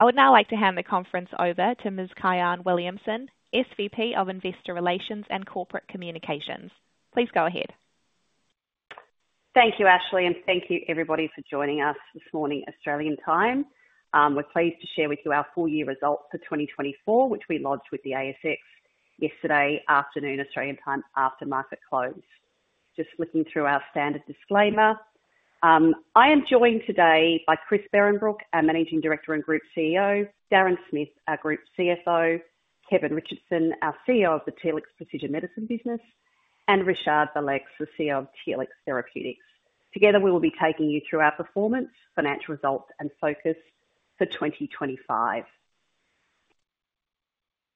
I would now like to hand the conference over to Ms. Kyahn Williamson, SVP of Investor Relations and Corporate Communications. Please go ahead. Thank you, Ashley, and thank you, everybody, for joining us this morning, Australian time. We're pleased to share with you our full-year results for 2024, which we lodged with the ASX yesterday afternoon, Australian time, after market close. Just looking through our standard disclaimer, I am joined today by Chris Behrenbruch, our Managing Director and Group CEO, Darren Smith, our Group CFO, Kevin Richardson, our CEO of the Telix Precision Medicine business, and Richard Valeix, the CEO of Telix Therapeutics. Together, we will be taking you through our performance, financial results, and focus for 2025.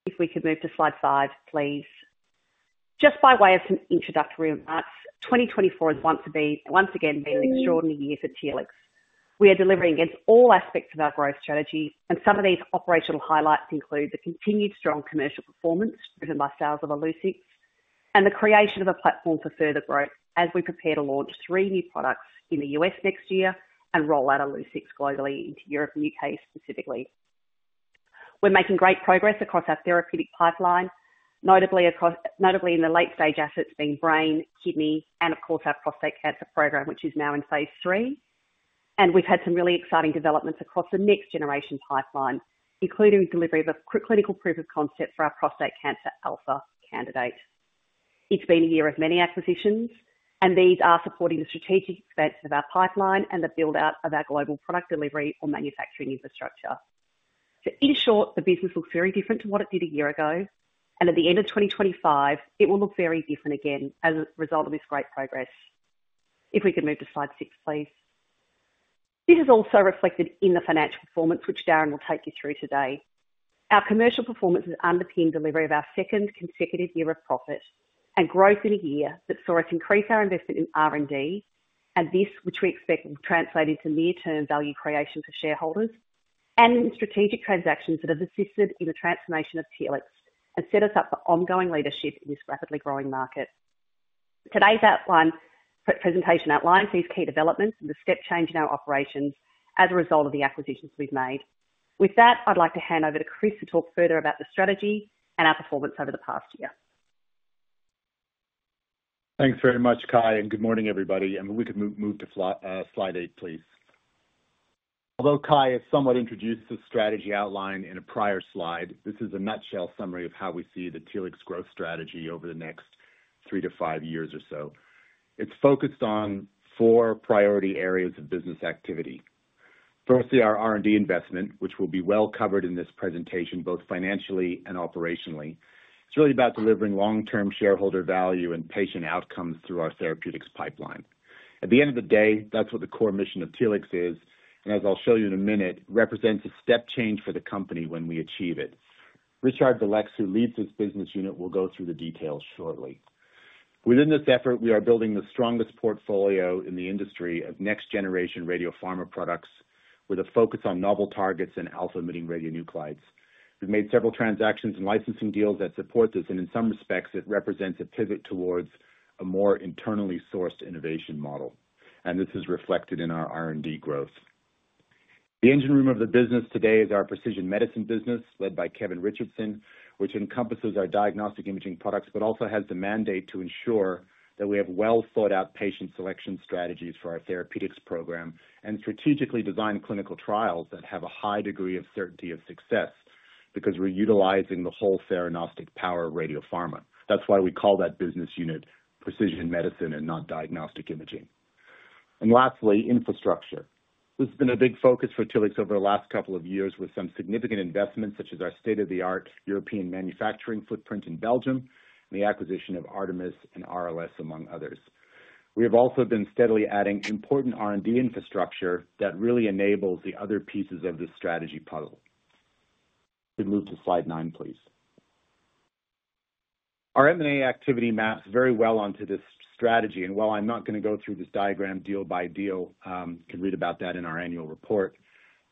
If we could move to slide five, please. Just by way of some introductory remarks, 2024 has once again been an extraordinary year for Telix. We are delivering against all aspects of our growth strategy, and some of these operational highlights include the continued strong commercial performance driven by sales of Illuccix and the creation of a platform for further growth as we prepare to launch three new products in the U.S. next year and roll out Illuccix globally into Europe and the U.K. specifically. We're making great progress across our therapeutic pipeline, notably in the late-stage assets being brain, kidney, and, of course, our prostate cancer program, which is now in phase three. And we've had some really exciting developments across the next-generation pipeline, including the delivery of a clinical proof of concept for our prostate cancer alpha candidate. It's been a year of many acquisitions, and these are supporting the strategic expansion of our pipeline and the build-out of our global product delivery or manufacturing infrastructure. So, in short, the business looks very different to what it did a year ago, and at the end of 2025, it will look very different again as a result of this great progress. If we could move to slide six, please. This is also reflected in the financial performance, which Darren will take you through today. Our commercial performance has underpinned delivery of our second consecutive year of profit and growth in a year that saw us increase our investment in R&D, and this, which we expect, will translate into near-term value creation for shareholders and strategic transactions that have assisted in the transformation of Telix and set us up for ongoing leadership in this rapidly growing market. Today's presentation outlines these key developments and the step change in our operations as a result of the acquisitions we've made. With that, I'd like to hand over to Chris to talk further about the strategy and our performance over the past year. Thanks very much, Ky, and good morning, everybody. If we could move to slide eight, please. Although Ky has somewhat introduced the strategy outline in a prior slide, this is a nutshell summary of how we see the Telix growth strategy over the next three to five years or so. It's focused on four priority areas of business activity. Firstly, our R&D investment, which will be well covered in this presentation, both financially and operationally. It's really about delivering long-term shareholder value and patient outcomes through our therapeutics pipeline. At the end of the day, that's what the core mission of Telix is, and as I'll show you in a minute, represents a step change for the company when we achieve it. Richard Valeix, who leads this business unit, will go through the details shortly. Within this effort, we are building the strongest portfolio in the industry of next-generation radiopharma products with a focus on novel targets and alpha-emitting radionuclides. We've made several transactions and licensing deals that support this, and in some respects, it represents a pivot towards a more internally sourced innovation model, and this is reflected in our R&D growth. The engine room of the business today is our precision medicine business, led by Kevin Richardson, which encompasses our diagnostic imaging products but also has the mandate to ensure that we have well-thought-out patient selection strategies for our therapeutics program and strategically designed clinical trials that have a high degree of certainty of success because we're utilizing the whole theranostic power of radiopharma. That's why we call that business unit precision medicine and not diagnostic imaging, and lastly, infrastructure. This has been a big focus for Telix over the last couple of years with some significant investments such as our state-of-the-art European manufacturing footprint in Belgium and the acquisition of ARTMS and RLS, among others. We have also been steadily adding important R&D infrastructure that really enables the other pieces of this strategy puzzle. We can move to slide nine, please. Our M&A activity maps very well onto this strategy, and while I'm not going to go through this diagram deal by deal, you can read about that in our annual report.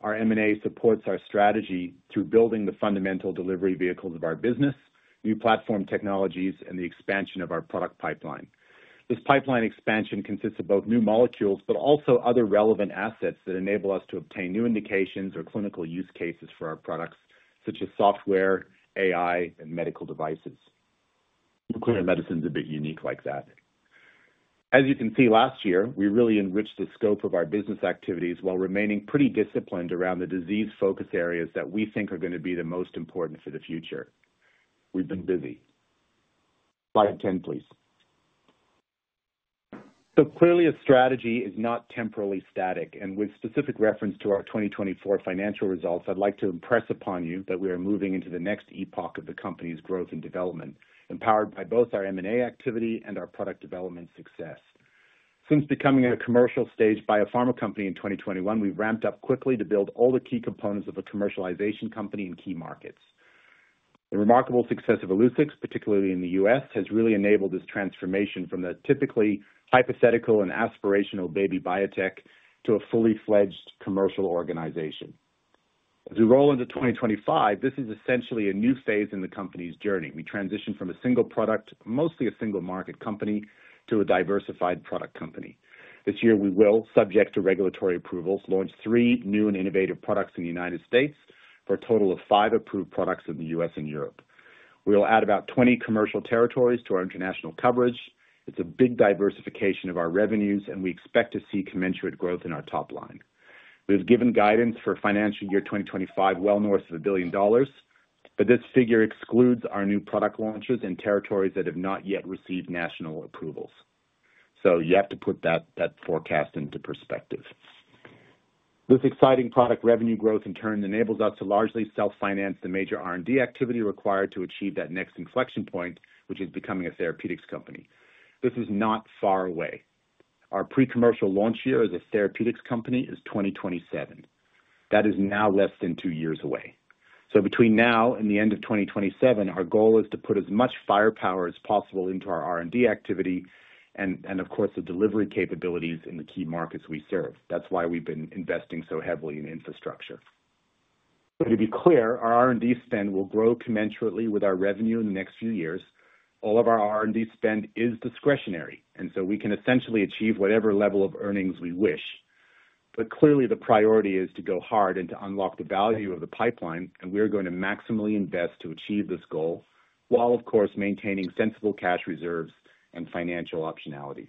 Our M&A supports our strategy through building the fundamental delivery vehicles of our business, new platform technologies, and the expansion of our product pipeline. This pipeline expansion consists of both new molecules but also other relevant assets that enable us to obtain new indications or clinical use cases for our products, such as software, AI, and medical devices. Nuclear medicine's a bit unique like that. As you can see, last year, we really enriched the scope of our business activities while remaining pretty disciplined around the disease-focused areas that we think are going to be the most important for the future. We've been busy. Slide 10, please. So clearly, a strategy is not temporally static, and with specific reference to our 2024 financial results, I'd like to impress upon you that we are moving into the next epoch of the company's growth and development, empowered by both our M&A activity and our product development success. Since becoming a commercial-stage biopharma company in 2021, we've ramped up quickly to build all the key components of a commercialization company in key markets. The remarkable success of Illuccix, particularly in the U.S., has really enabled this transformation from the typically hypothetical and aspirational baby biotech to a fully-fledged commercial organization. As we roll into 2025, this is essentially a new phase in the company's journey. We transitioned from a single product, mostly a single-market company, to a diversified product company. This year, we will, subject to regulatory approvals, launch three new and innovative products in the United States for a total of five approved products in the U.S. and Europe. We will add about 20 commercial territories to our international coverage. It's a big diversification of our revenues, and we expect to see commensurate growth in our top line. We've given guidance for financial year 2025 well north of 1 billion dollars, but this figure excludes our new product launches in territories that have not yet received national approvals. So you have to put that forecast into perspective. This exciting product revenue growth, in turn, enables us to largely self-finance the major R&D activity required to achieve that next inflection point, which is becoming a therapeutics company. This is not far away. Our pre-commercial launch year as a therapeutics company is 2027. That is now less than two years away. So between now and the end of 2027, our goal is to put as much firepower as possible into our R&D activity and, of course, the delivery capabilities in the key markets we serve. That's why we've been investing so heavily in infrastructure. To be clear, our R&D spend will grow commensurately with our revenue in the next few years. All of our R&D spend is discretionary, and so we can essentially achieve whatever level of earnings we wish. But clearly, the priority is to go hard and to unlock the value of the pipeline, and we are going to maximally invest to achieve this goal while, of course, maintaining sensible cash reserves and financial optionality.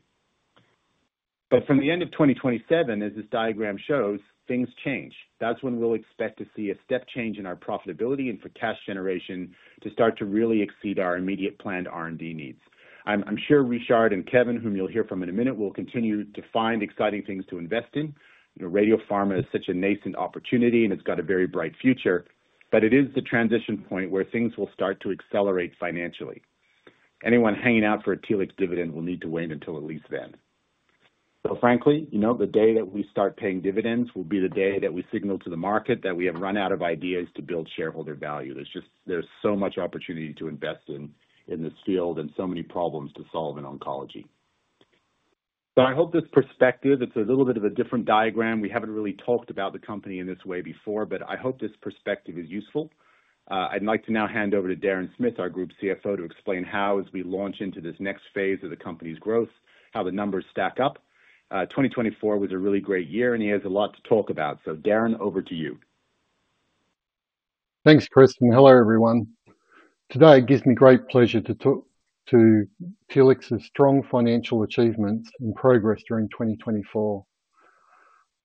But from the end of 2027, as this diagram shows, things change. That's when we'll expect to see a step change in our profitability and for cash generation to start to really exceed our immediate planned R&D needs. I'm sure Richard and Kevin, whom you'll hear from in a minute, will continue to find exciting things to invest in. Radiopharma is such a nascent opportunity, and it's got a very bright future, but it is the transition point where things will start to accelerate financially. Anyone hanging out for a Telix dividend will need to wait until at least then, so frankly, the day that we start paying dividends will be the day that we signal to the market that we have run out of ideas to build shareholder value. There's so much opportunity to invest in this field and so many problems to solve in oncology, so I hope this perspective, it's a little bit of a different diagram. We haven't really talked about the company in this way before, but I hope this perspective is useful. I'd like to now hand over to Darren Smith, our Group CFO, to explain how, as we launch into this next phase of the company's growth, how the numbers stack up. 2024 was a really great year, and he has a lot to talk about. So Darren, over to you. Thanks, Chris, and hello, everyone. Today gives me great pleasure to talk about Telix's strong financial achievements and progress during 2024.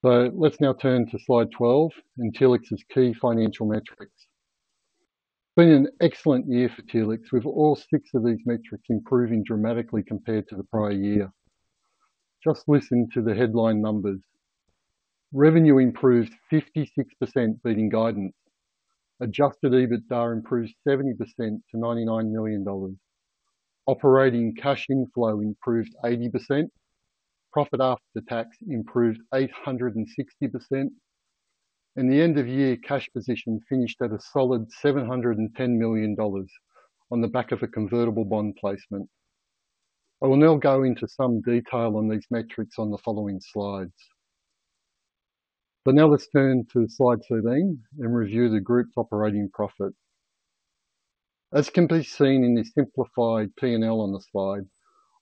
Let's now turn to slide 12 and Telix's key financial metrics. It's been an excellent year for Telix, with all six of these metrics improving dramatically compared to the prior year. Just listen to the headline numbers. Revenue improved 56%, beating guidance. Adjusted EBITDA improved 70% to 99 million dollars. Operating cash inflow improved 80%. Profit after tax improved 860%. At the end of the year, cash position finished at a solid 710 million dollars on the back of a convertible bond placement. I will now go into some detail on these metrics on the following slides. Let's now turn to slide 17 and review the group's operating profit. As can be seen in the simplified P&L on the slide,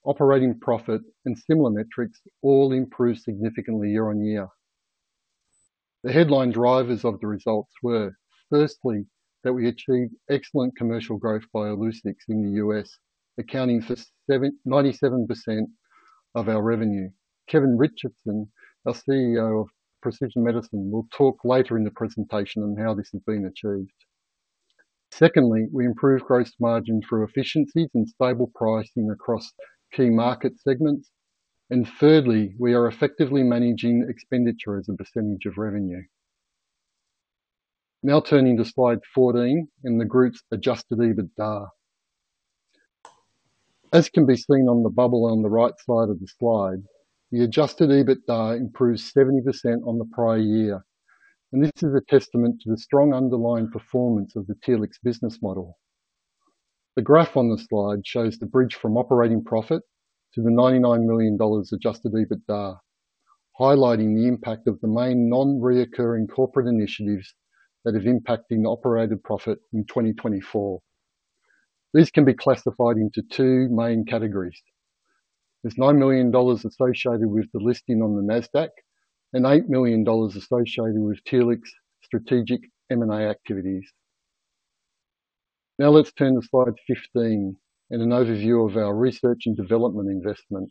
operating profit and similar metrics all improved significantly year on year. The headline drivers of the results were, firstly, that we achieved excellent commercial growth by Illuccix in the U.S., accounting for 97% of our revenue. Kevin Richardson, our CEO of Precision Medicine, will talk later in the presentation on how this has been achieved. Secondly, we improved gross margins through efficiencies and stable pricing across key market segments. And thirdly, we are effectively managing expenditure as a percentage of revenue. Now turning to slide 14 and the group's adjusted EBITDA. As can be seen on the bubble on the right side of the slide, the adjusted EBITDA improved 70% on the prior year, and this is a testament to the strong underlying performance of the Telix business model. The graph on the slide shows the bridge from operating profit to the 99 million dollars adjusted EBITDA, highlighting the impact of the main non-recurring corporate initiatives that have impacted operating profit in 2024. These can be classified into two main categories. There's 9 million dollars associated with the listing on the Nasdaq and 8 million dollars associated with Telix's strategic M&A activities. Now let's turn to slide 15 and an overview of our research and development investment.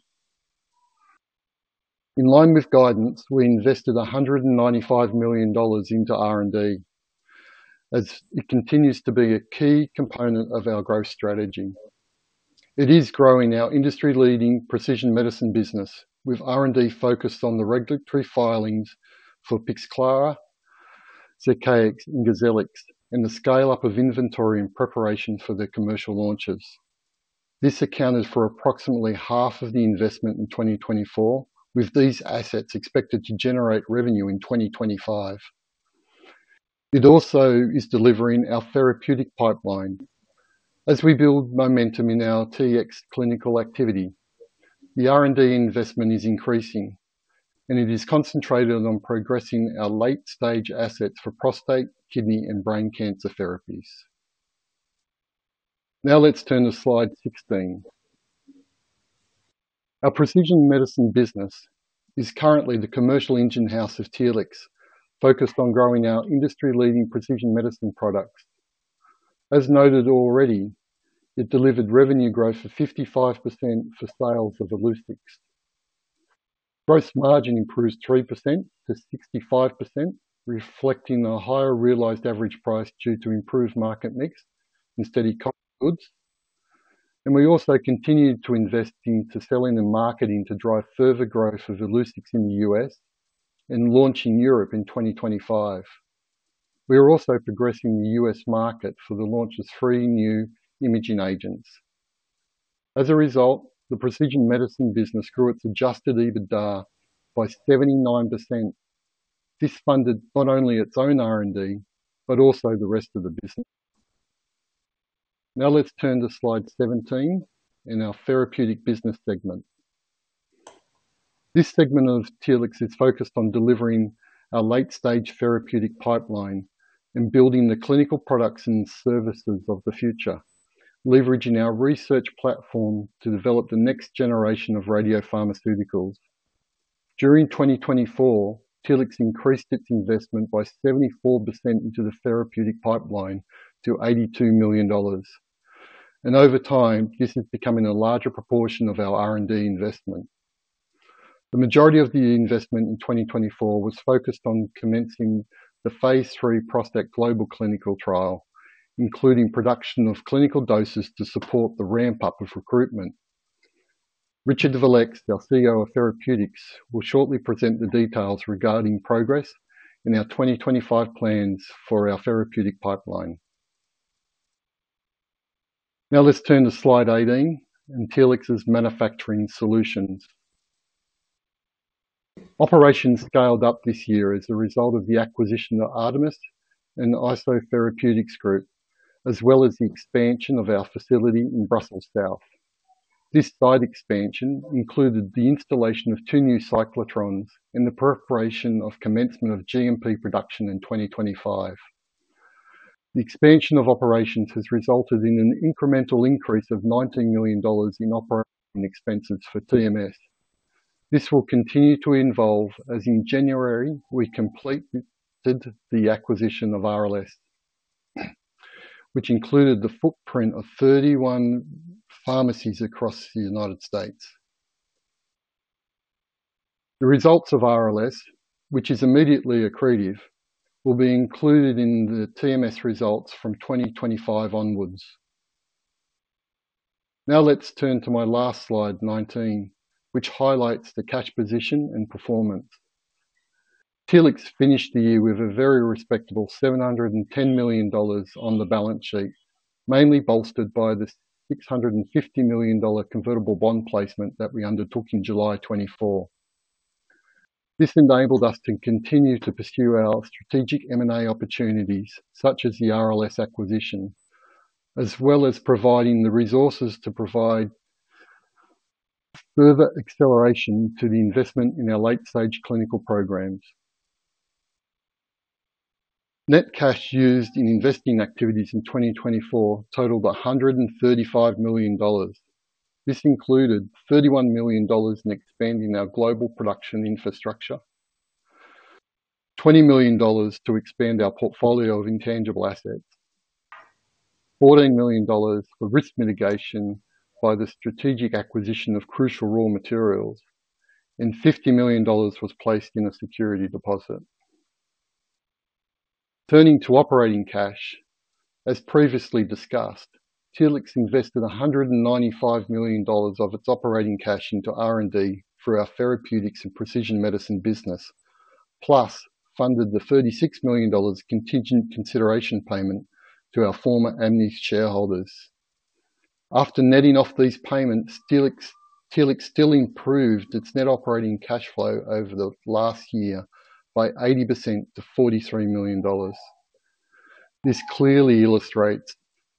In line with guidance, we invested 195 million dollars into R&D, as it continues to be a key component of our growth strategy. It is growing our industry-leading precision medicine business, with R&D focused on the regulatory filings for Pixclara, Zircaix, and Gozellix, and the scale-up of inventory and preparation for their commercial launches. This accounted for approximately half of the investment in 2024, with these assets expected to generate revenue in 2025. It also is delivering our therapeutic pipeline. As we build momentum in our Telix clinical activity, the R&D investment is increasing, and it is concentrated on progressing our late-stage assets for prostate, kidney, and brain cancer therapies. Now let's turn to slide 16. Our precision medicine business is currently the commercial engine house of Telix, focused on growing our industry-leading precision medicine products. As noted already, it delivered revenue growth of 55% for sales of Illuccix. Gross margin improved 3%-65%, reflecting a higher realized average price due to improved market mix and steady cost of goods, and we also continued to invest into selling and marketing to drive further growth of Illuccix in the U.S. and launch in Europe in 2025. We are also progressing the U.S. market for the launch of three new imaging agents. As a result, the precision medicine business grew its adjusted EBITDA by 79%. This funded not only its own R&D but also the rest of the business. Now let's turn to slide 17 and our therapeutic business segment. This segment of Telix is focused on delivering our late-stage therapeutic pipeline and building the clinical products and services of the future, leveraging our research platform to develop the next generation of radiopharmaceuticals. During 2024, Telix increased its investment by 74% into the therapeutic pipeline to 82 million dollars, and over time, this is becoming a larger proportion of our R&D investment. The majority of the investment in 2024 was focused on commencing the phase III prostate global clinical trial, including production of clinical doses to support the ramp-up of recruitment. Richard Valeix, our CEO of Therapeutics, will shortly present the details regarding progress in our 2025 plans for our therapeutic pipeline. Now let's turn to slide 18 and Telix's manufacturing solutions. Operations scaled up this year as a result of the acquisition of ARTMS and IsoTherapeutics Group, as well as the expansion of our facility in Brussels South. This site expansion included the installation of two new cyclotrons and the preparation of commencement of GMP production in 2025. The expansion of operations has resulted in an incremental increase of 19 million dollars in operating expenses for TMS. This will continue to involve as in January we completed the acquisition of RLS, which included the footprint of 31 pharmacies across the United States. The results of RLS, which is immediately accretive, will be included in the TMS results from 2025 onwards. Now let's turn to my last slide, 19, which highlights the cash position and performance. Telix finished the year with a very respectable 710 million dollars on the balance sheet, mainly bolstered by the 650 million dollar convertible bond placement that we undertook in July 2024. This enabled us to continue to pursue our strategic M&A opportunities, such as the RLS acquisition, as well as providing the resources to provide further acceleration to the investment in our late-stage clinical programs. Net cash used in investing activities in 2024 totaled 135 million dollars. This included 31 million dollars in expanding our global production infrastructure, 20 million dollars to expand our portfolio of intangible assets, 14 million dollars for risk mitigation by the strategic acquisition of crucial raw materials, and 50 million dollars was placed in a security deposit. Turning to operating cash, as previously discussed, Telix invested 195 million dollars of its operating cash into R&D for our therapeutics and precision medicine business, plus funded the 36 million dollars contingent consideration payment to our former ANMI shareholders. After netting off these payments, Telix still improved its net operating cash flow over the last year by 80% to 43 million dollars. This clearly illustrates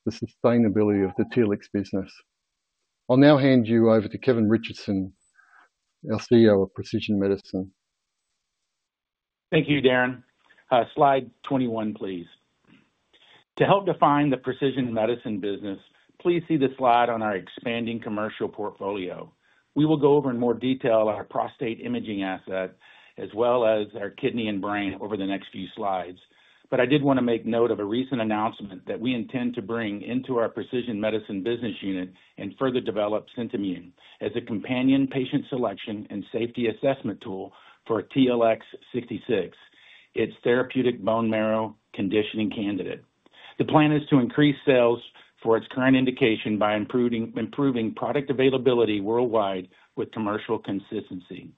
the sustainability of the Telix business. I'll now hand you over to Kevin Richardson, our CEO of Precision Medicine. Thank you, Darren. Slide 21, please. To help define the precision medicine business, please see the slide on our expanding commercial portfolio. We will go over in more detail our prostate imaging asset, as well as our kidney and brain over the next few slides. But I did want to make note of a recent announcement that we intend to bring into our precision medicine business unit and further develop Scintimun as a companion patient selection and safety assessment tool for TLX66, its therapeutic bone marrow conditioning candidate. The plan is to increase sales for its current indication by improving product availability worldwide with commercial consistency.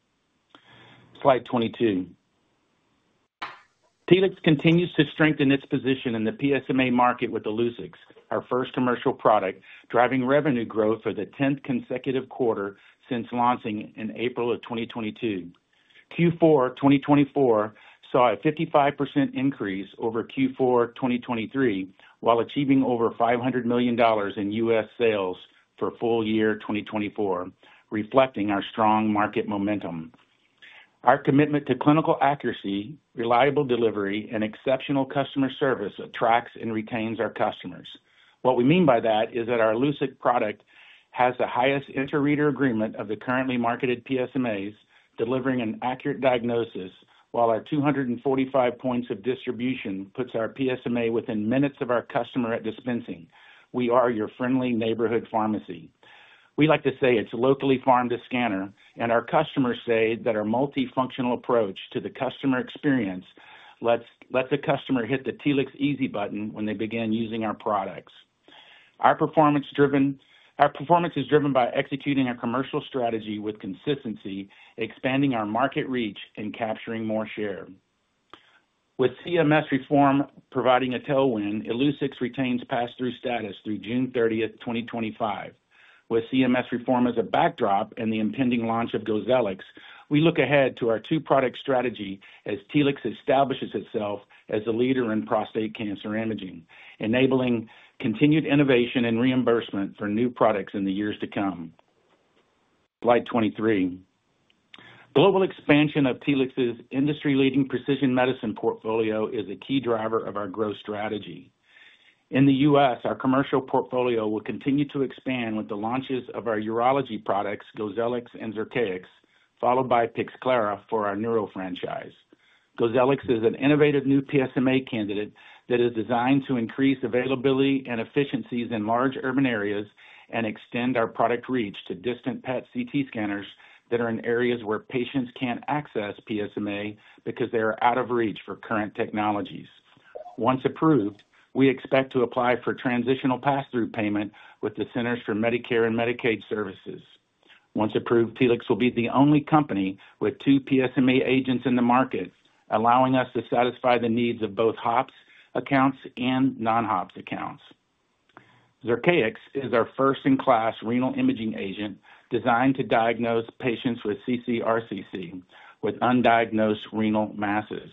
Slide 22. Telix continues to strengthen its position in the PSMA market with Illuccix, our first commercial product, driving revenue growth for the 10th consecutive quarter since launching in April of 2022. Q4 2024 saw a 55% increase over Q4 2023, while achieving over 500 million dollars in U.S. sales for full year 2024, reflecting our strong market momentum. Our commitment to clinical accuracy, reliable delivery, and exceptional customer service attracts and retains our customers. What we mean by that is that our Illuccix product has the highest inter-reader agreement of the currently marketed PSMAs, delivering an accurate diagnosis, while our 245 points of distribution puts our PSMA within minutes of our customer at dispensing. We are your friendly neighborhood pharmacy. We like to say it's locally from the scanner, and our customers say that our multifunctional approach to the customer experience lets the customer hit the Telix easy button when they begin using our products. Our performance is driven by executing our commercial strategy with consistency, expanding our market reach, and capturing more share. With CMS reform providing a tailwind, Illuccix retains pass-through status through June 30th, 2025. With CMS reform as a backdrop and the impending launch of Gozellix, we look ahead to our two-product strategy as Telix establishes itself as a leader in prostate cancer imaging, enabling continued innovation and reimbursement for new products in the years to come. Slide 23. Global expansion of Telix's industry-leading precision medicine portfolio is a key driver of our growth strategy. In the U.S., our commercial portfolio will continue to expand with the launches of our urology products, Gozellix and Zircaix, followed by Pixclara for our neuro franchise. Gozellix is an innovative new PSMA candidate that is designed to increase availability and efficiencies in large urban areas and extend our product reach to distant PET/CT scanners that are in areas where patients can't access PSMA because they are out of reach for current technologies. Once approved, we expect to apply for transitional pass-through payment with the Centers for Medicare and Medicaid Services. Once approved, Telix will be the only company with two PSMA agents in the market, allowing us to satisfy the needs of both HOPS accounts and non-HOPS accounts. Zircaix is our first-in-class renal imaging agent designed to diagnose patients with ccRCC, with undiagnosed renal masses.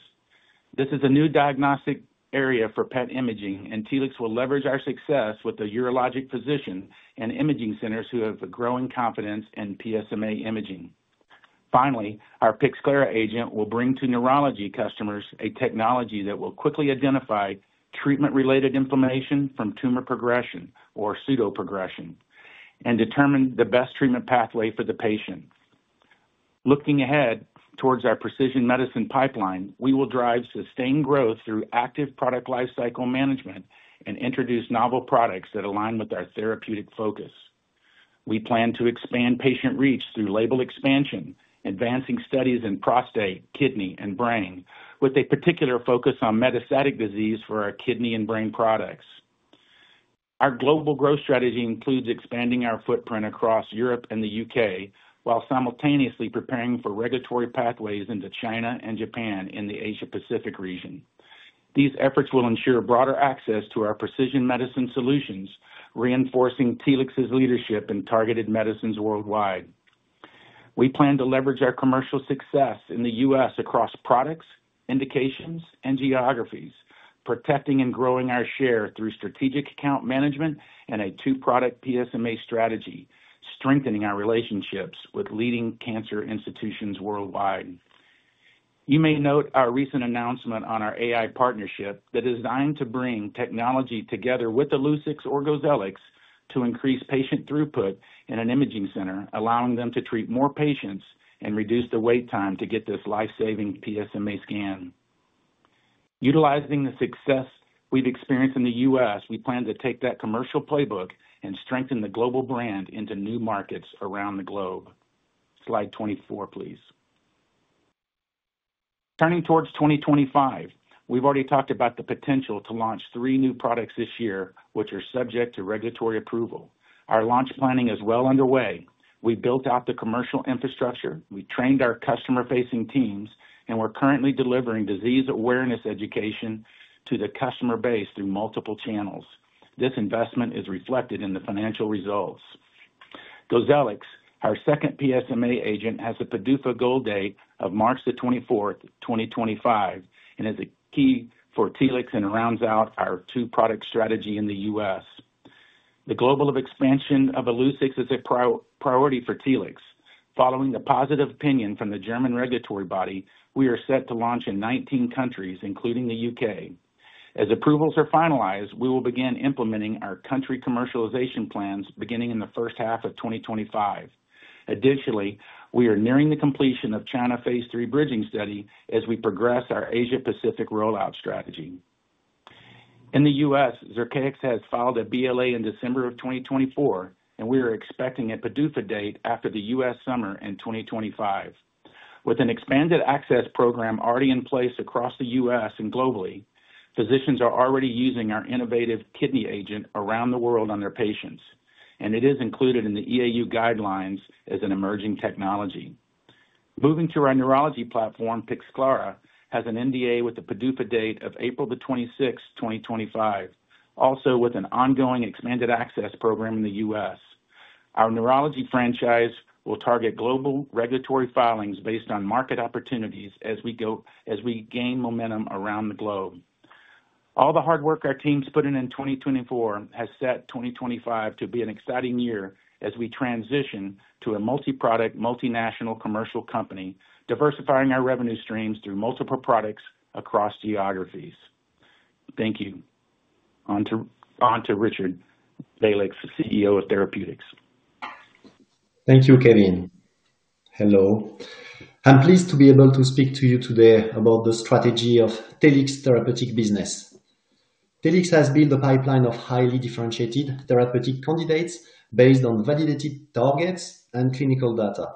This is a new diagnostic area for PET imaging, and Telix will leverage our success with the urologic physician and imaging centers who have a growing confidence in PSMA imaging. Finally, our Pixclara agent will bring to neurology customers a technology that will quickly identify treatment-related inflammation from tumor progression or pseudoprogression and determine the best treatment pathway for the patient. Looking ahead toward our precision medicine pipeline, we will drive sustained growth through active product lifecycle management and introduce novel products that align with our therapeutic focus. We plan to expand patient reach through label expansion, advancing studies in prostate, kidney, and brain, with a particular focus on metastatic disease for our kidney and brain products. Our global growth strategy includes expanding our footprint across Europe and the U.K., while simultaneously preparing for regulatory pathways into China and Japan in the Asia-Pacific region. These efforts will ensure broader access to our precision medicine solutions, reinforcing Telix's leadership in targeted medicines worldwide. We plan to leverage our commercial success in the U.S. across products, indications, and geographies, protecting and growing our share through strategic account management and a two-product PSMA strategy, strengthening our relationships with leading cancer institutions worldwide. You may note our recent announcement on our AI partnership that is designed to bring technology together with Illuccix or Gozellix to increase patient throughput in an imaging center, allowing them to treat more patients and reduce the wait time to get this lifesaving PSMA scan. Utilizing the success we've experienced in the U.S., we plan to take that commercial playbook and strengthen the global brand into new markets around the globe. Slide 24, please. Turning towards 2025, we've already talked about the potential to launch three new products this year, which are subject to regulatory approval. Our launch planning is well underway. We've built out the commercial infrastructure, we've trained our customer-facing teams, and we're currently delivering disease awareness education to the customer base through multiple channels. This investment is reflected in the financial results. Gozellix, our second PSMA agent, has a PDUFA goal date of March the 24th, 2025, and is a key for Telix and rounds out our two-product strategy in the U.S.. The global expansion of Illuccix is a priority for Telix. Following the positive opinion from the German regulatory body, we are set to launch in 19 countries, including the U.K.. As approvals are finalized, we will begin implementing our country commercialization plans beginning in the first half of 2025. Additionally, we are nearing the completion of China phase III bridging study as we progress our Asia-Pacific rollout strategy. In the U.S., Zircaix has filed a BLA in December of 2024, and we are expecting a PDUFA date after the U.S. summer in 2025. With an expanded access program already in place across the U.S. and globally, physicians are already using our innovative kidney agent around the world on their patients, and it is included in the EAU guidelines as an emerging technology. Moving to our neurology platform, Pixclara has an NDA with a PDUFA date of April the 26th, 2025, also with an ongoing expanded access program in the U.S. Our neurology franchise will target global regulatory filings based on market opportunities as we gain momentum around the globe. All the hard work our teams put in in 2024 has set 2025 to be an exciting year as we transition to a multi-product, multinational commercial company, diversifying our revenue streams through multiple products across geographies. Thank you. On to Richard Valeix, CEO of Therapeutics. Thank you, Kevin. Hello. I'm pleased to be able to speak to you today about the strategy of Telix Therapeutic business. Telix has built a pipeline of highly differentiated therapeutic candidates based on validated targets and clinical data.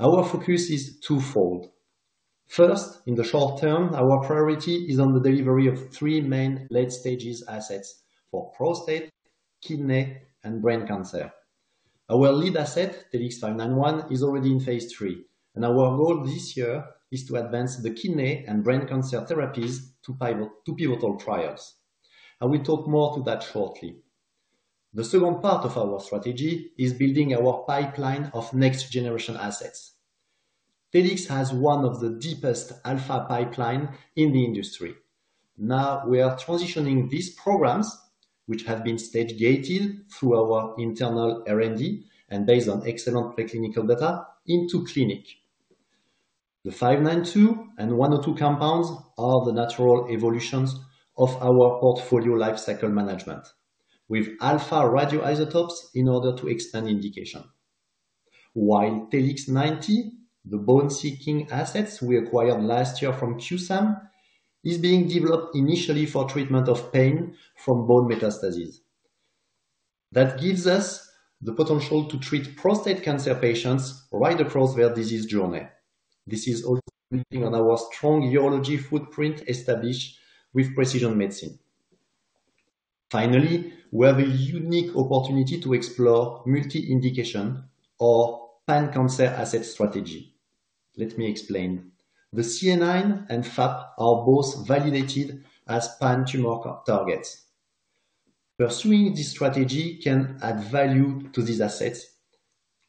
Our focus is twofold. First, in the short term, our priority is on the delivery of three main late-stage assets for prostate, kidney, and brain cancer. Our lead asset, TLX591, is already in phase III, and our goal this year is to advance the kidney and brain cancer therapies to pivotal trials. I will talk more to that shortly. The second part of our strategy is building our pipeline of next-generation assets. Telix has one of the deepest alpha pipelines in the industry. Now we are transitioning these programs, which have been stage-gated through our internal R&D and based on excellent preclinical data, into clinic. The TLX592 and TLX102 compounds are the natural evolutions of our portfolio lifecycle management, with alpha radioisotopes in order to expand indication. While TLX090, the bone-seeking assets we acquired last year from QSAM, is being developed initially for treatment of pain from bone metastases. That gives us the potential to treat prostate cancer patients right across their disease journey. This is also building on our strong urology footprint established with precision medicine. Finally, we have a unique opportunity to explore multi-indication or pan-cancer asset strategy. Let me explain. The CAIX and FAP are both validated as pan-tumor targets. Pursuing this strategy can add value to these assets,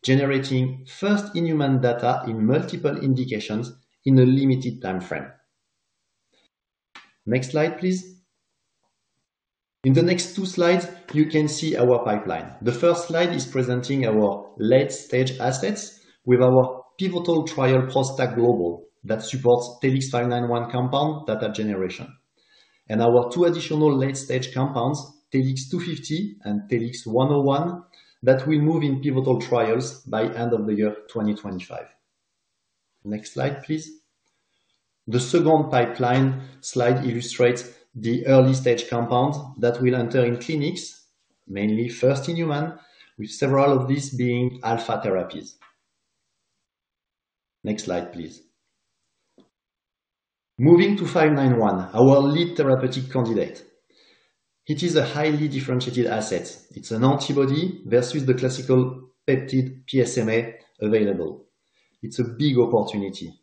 generating first-in-human data in multiple indications in a limited time frame. Next slide, please. In the next two slides, you can see our pipeline. The first slide is presenting our late-stage assets with our pivotal trial ProstACT Global that supports TLX591 compound data generation, and our two additional late-stage compounds, TLX250 and TLX101, that will move in pivotal trials by the end of the year 2025. Next slide, please. The second pipeline slide illustrates the early-stage compounds that will enter in clinics, mainly first-in-human, with several of these being alpha therapies. Next slide, please. Moving to 591, our lead therapeutic candidate. It is a highly differentiated asset. It's an antibody versus the classical peptide PSMA available. It's a big opportunity.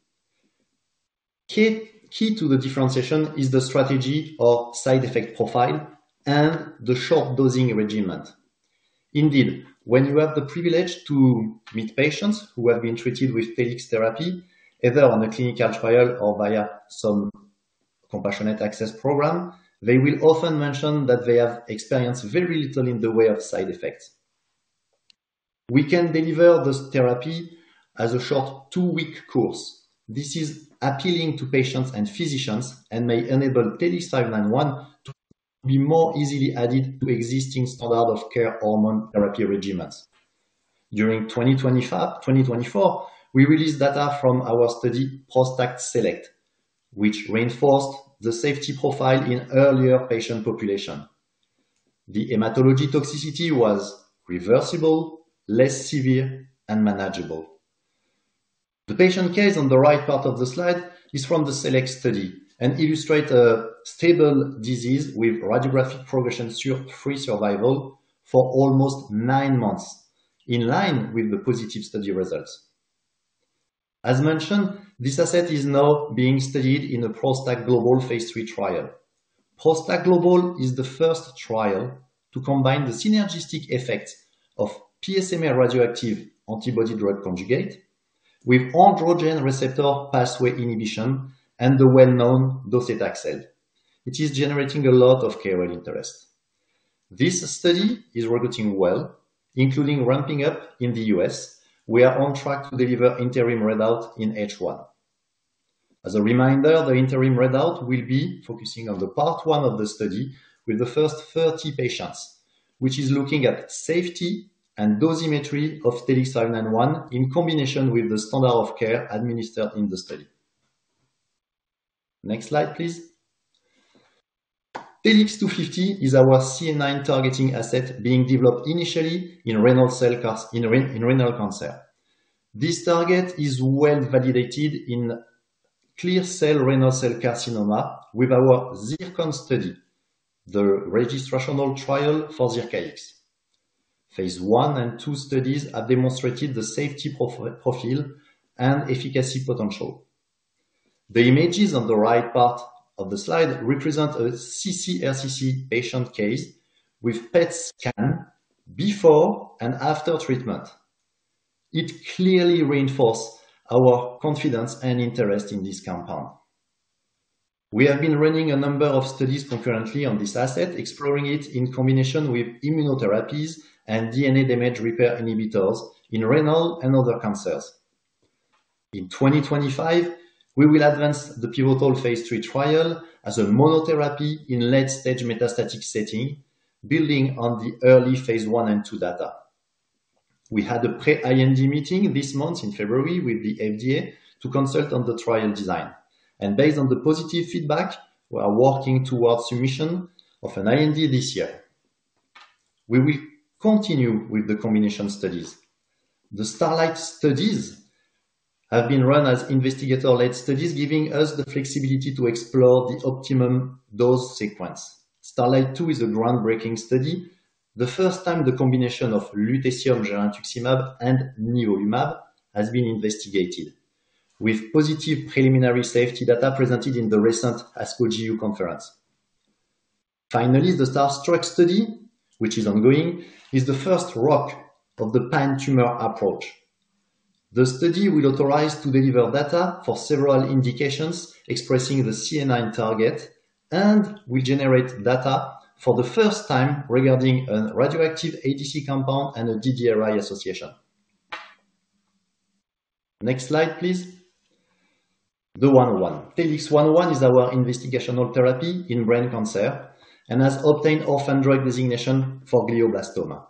Key to the differentiation is the safety or side effect profile and the short-dosing regimen. Indeed, when you have the privilege to meet patients who have been treated with Telix therapy, either on a clinical trial or via some compassionate access program, they will often mention that they have experienced very little in the way of side effects. We can deliver this therapy as a short two-week course. This is appealing to patients and physicians and may enable TLX591 to be more easily added to existing standard of care hormone therapy regimens. During 2025 2024, we released data from our study ProstACT Select, which reinforced the safety profile in earlier patient population. The hematology toxicity was reversible, less severe, and manageable. The patient case on the right part of the slide is from the Select study and illustrates a stable disease with radiographic progression-free survival for almost nine months, in line with the positive study results. As mentioned, this asset is now being studied in a ProstACT Global phase III trial. ProstACT Global is the first trial to combine the synergistic effects of PSMA radioactive antibody-drug conjugate with androgen receptor pathway inhibition and the well-known docetaxel. It is generating a lot of KOL interest. This study is recruiting well, including ramping up in the U.S.. We are on track to deliver interim readout in H1. As a reminder, the interim readout will be focusing on the part one of the study with the first 30 patients, which is looking at safety and dosimetry of TLX591 in combination with the standard of care administered in the study. Next slide, please. TLX250 is our CAIX targeting asset being developed initially in renal cell cancer. This target is well validated in clear cell renal cell carcinoma with our ZIRCON study, the registrational trial for Zircaix. phase I and II studies have demonstrated the safety profile and efficacy potential. The images on the right part of the slide represent a ccRCC patient case with PET scan before and after treatment. It clearly reinforces our confidence and interest in this compound. We have been running a number of studies concurrently on this asset, exploring it in combination with immunotherapies and DNA damage repair inhibitors in renal and other cancers. In 2025, we will advance the pivotal phase III trial as a monotherapy in late-stage metastatic setting, building on the early phase I and II data. We had a pre-IND meeting this month in February with the FDA to consult on the trial design, and based on the positive feedback, we are working towards submission of an IND this year. We will continue with the combination studies. The STARLITE studies have been run as investigator-led studies, giving us the flexibility to explore the optimum dose sequence. STARLITE 2 is a groundbreaking study. The first time, the combination of lutetium girentuximab and nivolumab has been investigated, with positive preliminary safety data presented in the recent ASCO GU conference. Finally, the STARSTRUCK study, which is ongoing, is the first foray of the pan-tumor approach. The study will authorize to deliver data for several indications expressing the CAIX target and will generate data for the first time regarding a radioactive ADC compound and a DDRI association. Next slide, please. The 101. TLX101 is our investigational therapy in brain cancer and has obtained orphan drug designation for glioblastoma.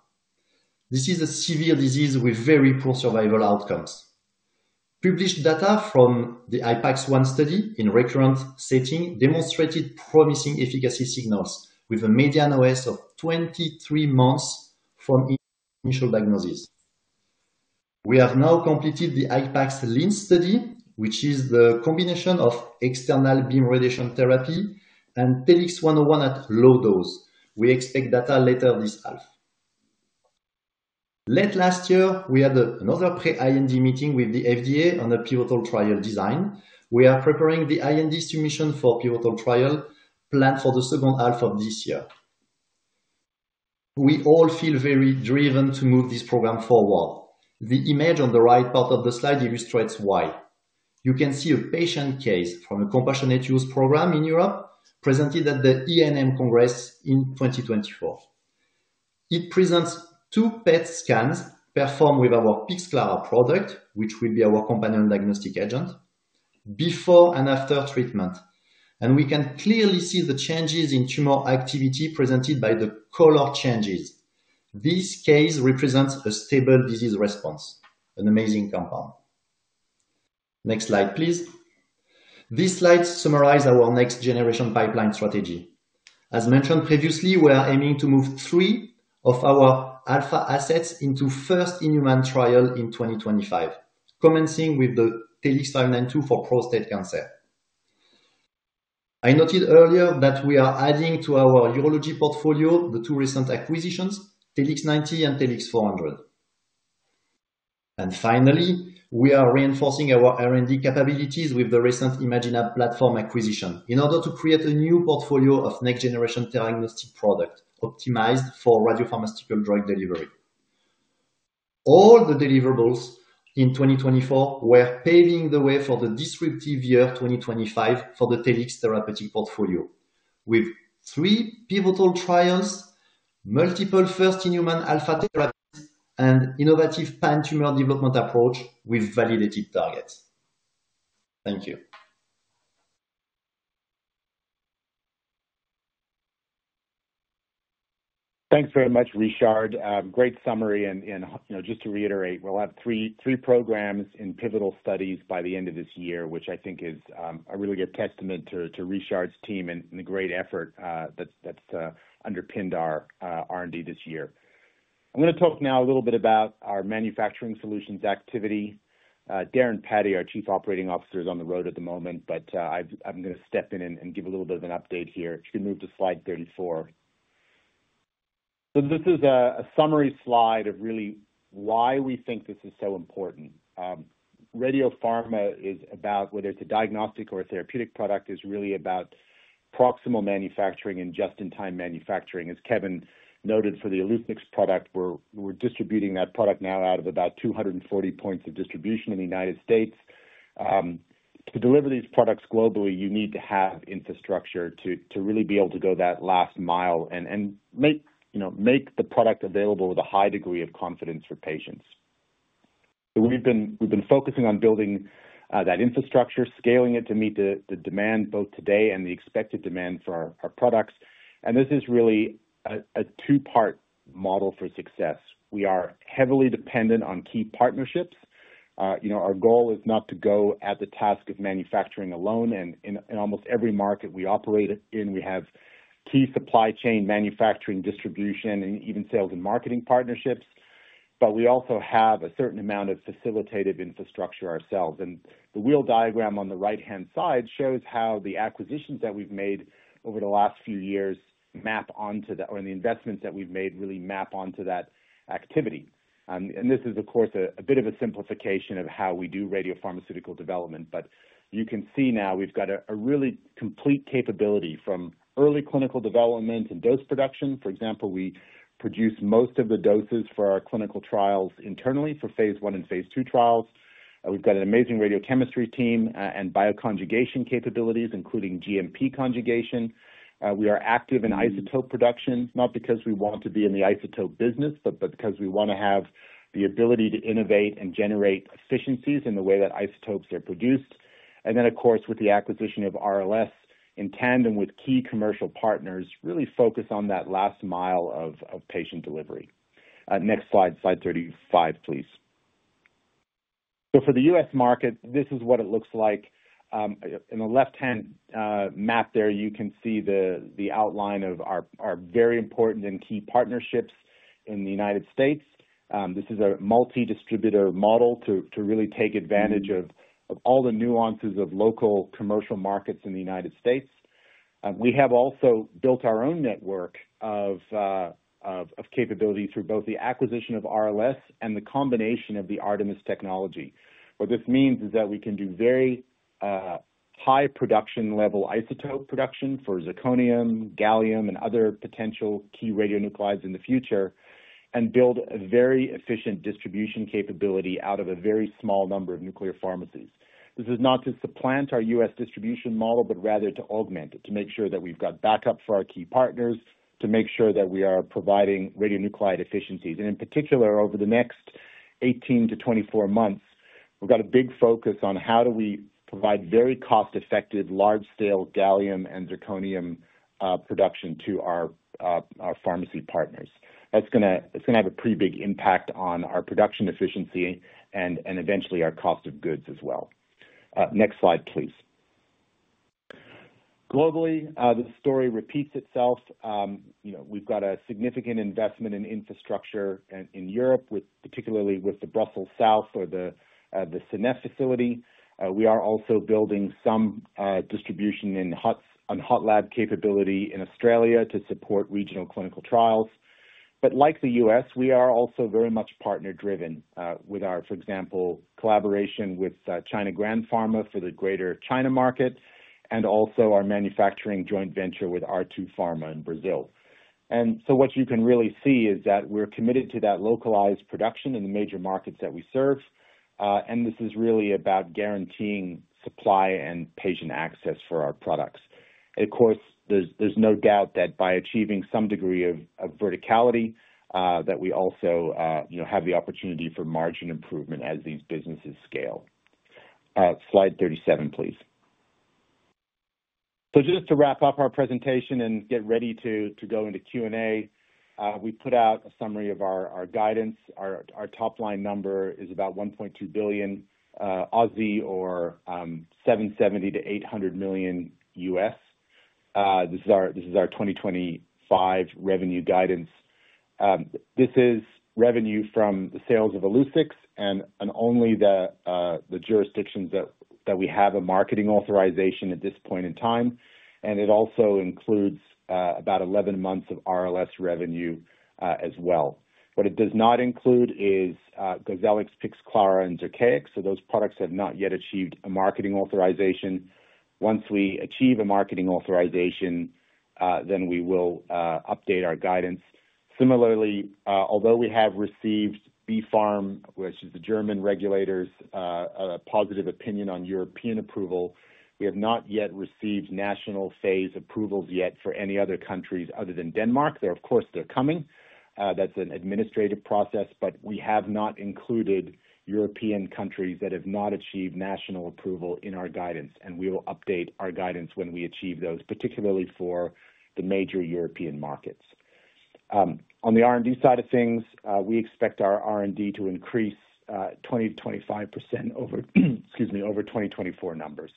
This is a severe disease with very poor survival outcomes. Published data from the IPAX-1 study in recurrent setting demonstrated promising efficacy signals with a median OS of 23 months from initial diagnosis. We have now completed the IPAX-Linz study, which is the combination of external beam radiation therapy and TLX101 at low dose. We expect data later this half. Late last year, we had another pre-IND meeting with the FDA on a pivotal trial design. We are preparing the IND submission for pivotal trial planned for the second half of this year. We all feel very driven to move this program forward. The image on the right part of the slide illustrates why. You can see a patient case from a compassionate use program in Europe presented at the EANM Congress in 2024. It presents two PET scans performed with our Pixclara product, which will be our companion diagnostic agent, before and after treatment. We can clearly see the changes in tumor activity presented by the color changes. This case represents a stable disease response, an amazing compound. Next slide, please. These slides summarize our next-generation pipeline strategy. As mentioned previously, we are aiming to move three of our alpha assets into first-in-human trial in 2025, commencing with the TLX592 for prostate cancer. I noted earlier that we are adding to our urology portfolio the two recent acquisitions, TLX090 and TLX400. And finally, we are reinforcing our R&D capabilities with the recent ImaginAb platform acquisition in order to create a new portfolio of next-generation diagnostic product optimized for radiopharmaceutical drug delivery. All the deliverables in 2024 were paving the way for the disruptive year 2025 for the Telix therapeutic portfolio, with three pivotal trials, multiple first-in-human alpha therapies, and innovative pan-tumor development approach with validated targets. Thank you. Thanks very much, Richard. Great summary. And just to reiterate, we'll have three programs in pivotal studies by the end of this year, which I think is a really good testament to Richard's team and the great effort that's underpinned our R&D this year. I'm going to talk now a little bit about our manufacturing solutions activity. Darren Patti, our Chief Operating Officer, is on the road at the moment, but I'm going to step in and give a little bit of an update here. If you can move to slide 34. So this is a summary slide of really why we think this is so important. Radiopharma is about, whether it's a diagnostic or a therapeutic product, is really about proximal manufacturing and just-in-time manufacturing. As Kevin noted for the Illuccix product, we're distributing that product now out of about 240 points of distribution in the United States. To deliver these products globally, you need to have infrastructure to really be able to go that last mile and make the product available with a high degree of confidence for patients. So we've been focusing on building that infrastructure, scaling it to meet the demand both today and the expected demand for our products. And this is really a two-part model for success. We are heavily dependent on key partnerships. Our goal is not to go at the task of manufacturing alone. And in almost every market we operate in, we have key supply chain manufacturing, distribution, and even sales and marketing partnerships. But we also have a certain amount of facilitative infrastructure ourselves. And the wheel diagram on the right-hand side shows how the acquisitions that we've made over the last few years map onto that, or the investments that we've made really map onto that activity. This is, of course, a bit of a simplification of how we do radiopharmaceutical development. But you can see now we've got a really complete capability from early clinical development and dose production. For example, we produce most of the doses for our clinical trials internally for phase I and phase II trials. We've got an amazing radiochemistry team and bioconjugation capabilities, including GMP conjugation. We are active in isotope production, not because we want to be in the isotope business, but because we want to have the ability to innovate and generate efficiencies in the way that isotopes are produced. And then, of course, with the acquisition of RLS in tandem with key commercial partners, really focus on that last mile of patient delivery. Next slide, slide 35, please. For the U.S. market, this is what it looks like. In the left-hand map there, you can see the outline of our very important and key partnerships in the United States. This is a multi-distributor model to really take advantage of all the nuances of local commercial markets in the United States. We have also built our own network of capability through both the acquisition of RLS and the combination of the ARTMS technology. What this means is that we can do very high production-level isotope production for zirconium, gallium, and other potential key radionuclides in the future and build a very efficient distribution capability out of a very small number of nuclear pharmacies. This is not to supplant our U.S. distribution model, but rather to augment it, to make sure that we've got backup for our key partners, to make sure that we are providing radionuclide efficiencies. In particular, over the next 18-24 months, we've got a big focus on how do we provide very cost-effective large-scale gallium and zirconium production to our pharmacy partners. That's going to have a pretty big impact on our production efficiency and eventually our cost of goods as well. Next slide, please. Globally, the story repeats itself. We've got a significant investment in infrastructure in Europe, particularly with the Brussels South or the Seneffe facility. We are also building some distribution and hot lab capability in Australia to support regional clinical trials. But like the U.S., we are also very much partner-driven with our, for example, collaboration with China Grand Pharma for the greater China market and also our manufacturing joint venture with R2PHARMA in Brazil. And so what you can really see is that we're committed to that localized production in the major markets that we serve. This is really about guaranteeing supply and patient access for our products. Of course, there's no doubt that by achieving some degree of verticality, that we also have the opportunity for margin improvement as these businesses scale. Slide 37, please. Just to wrap up our presentation and get ready to go into Q&A, we put out a summary of our guidance. Our top-line number is about 1.2 billion, or $770 million-$800 million. This is our 2025 revenue guidance. This is revenue from the sales of Illuccix and only the jurisdictions that we have a marketing authorization at this point in time. It also includes about 11 months of RLS revenue as well. What it does not include is Gozellix, Pixclara, and Zircaix. Those products have not yet achieved a marketing authorization. Once we achieve a marketing authorization, then we will update our guidance. Similarly, although we have received BfArM, which is the German regulator's positive opinion on European approval, we have not yet received national phase approvals for any other countries other than Denmark. Of course, they're coming. That's an administrative process. But we have not included European countries that have not achieved national approval in our guidance. And we will update our guidance when we achieve those, particularly for the major European markets. On the R&D side of things, we expect our R&D to increase 20%-25% over 2024 numbers.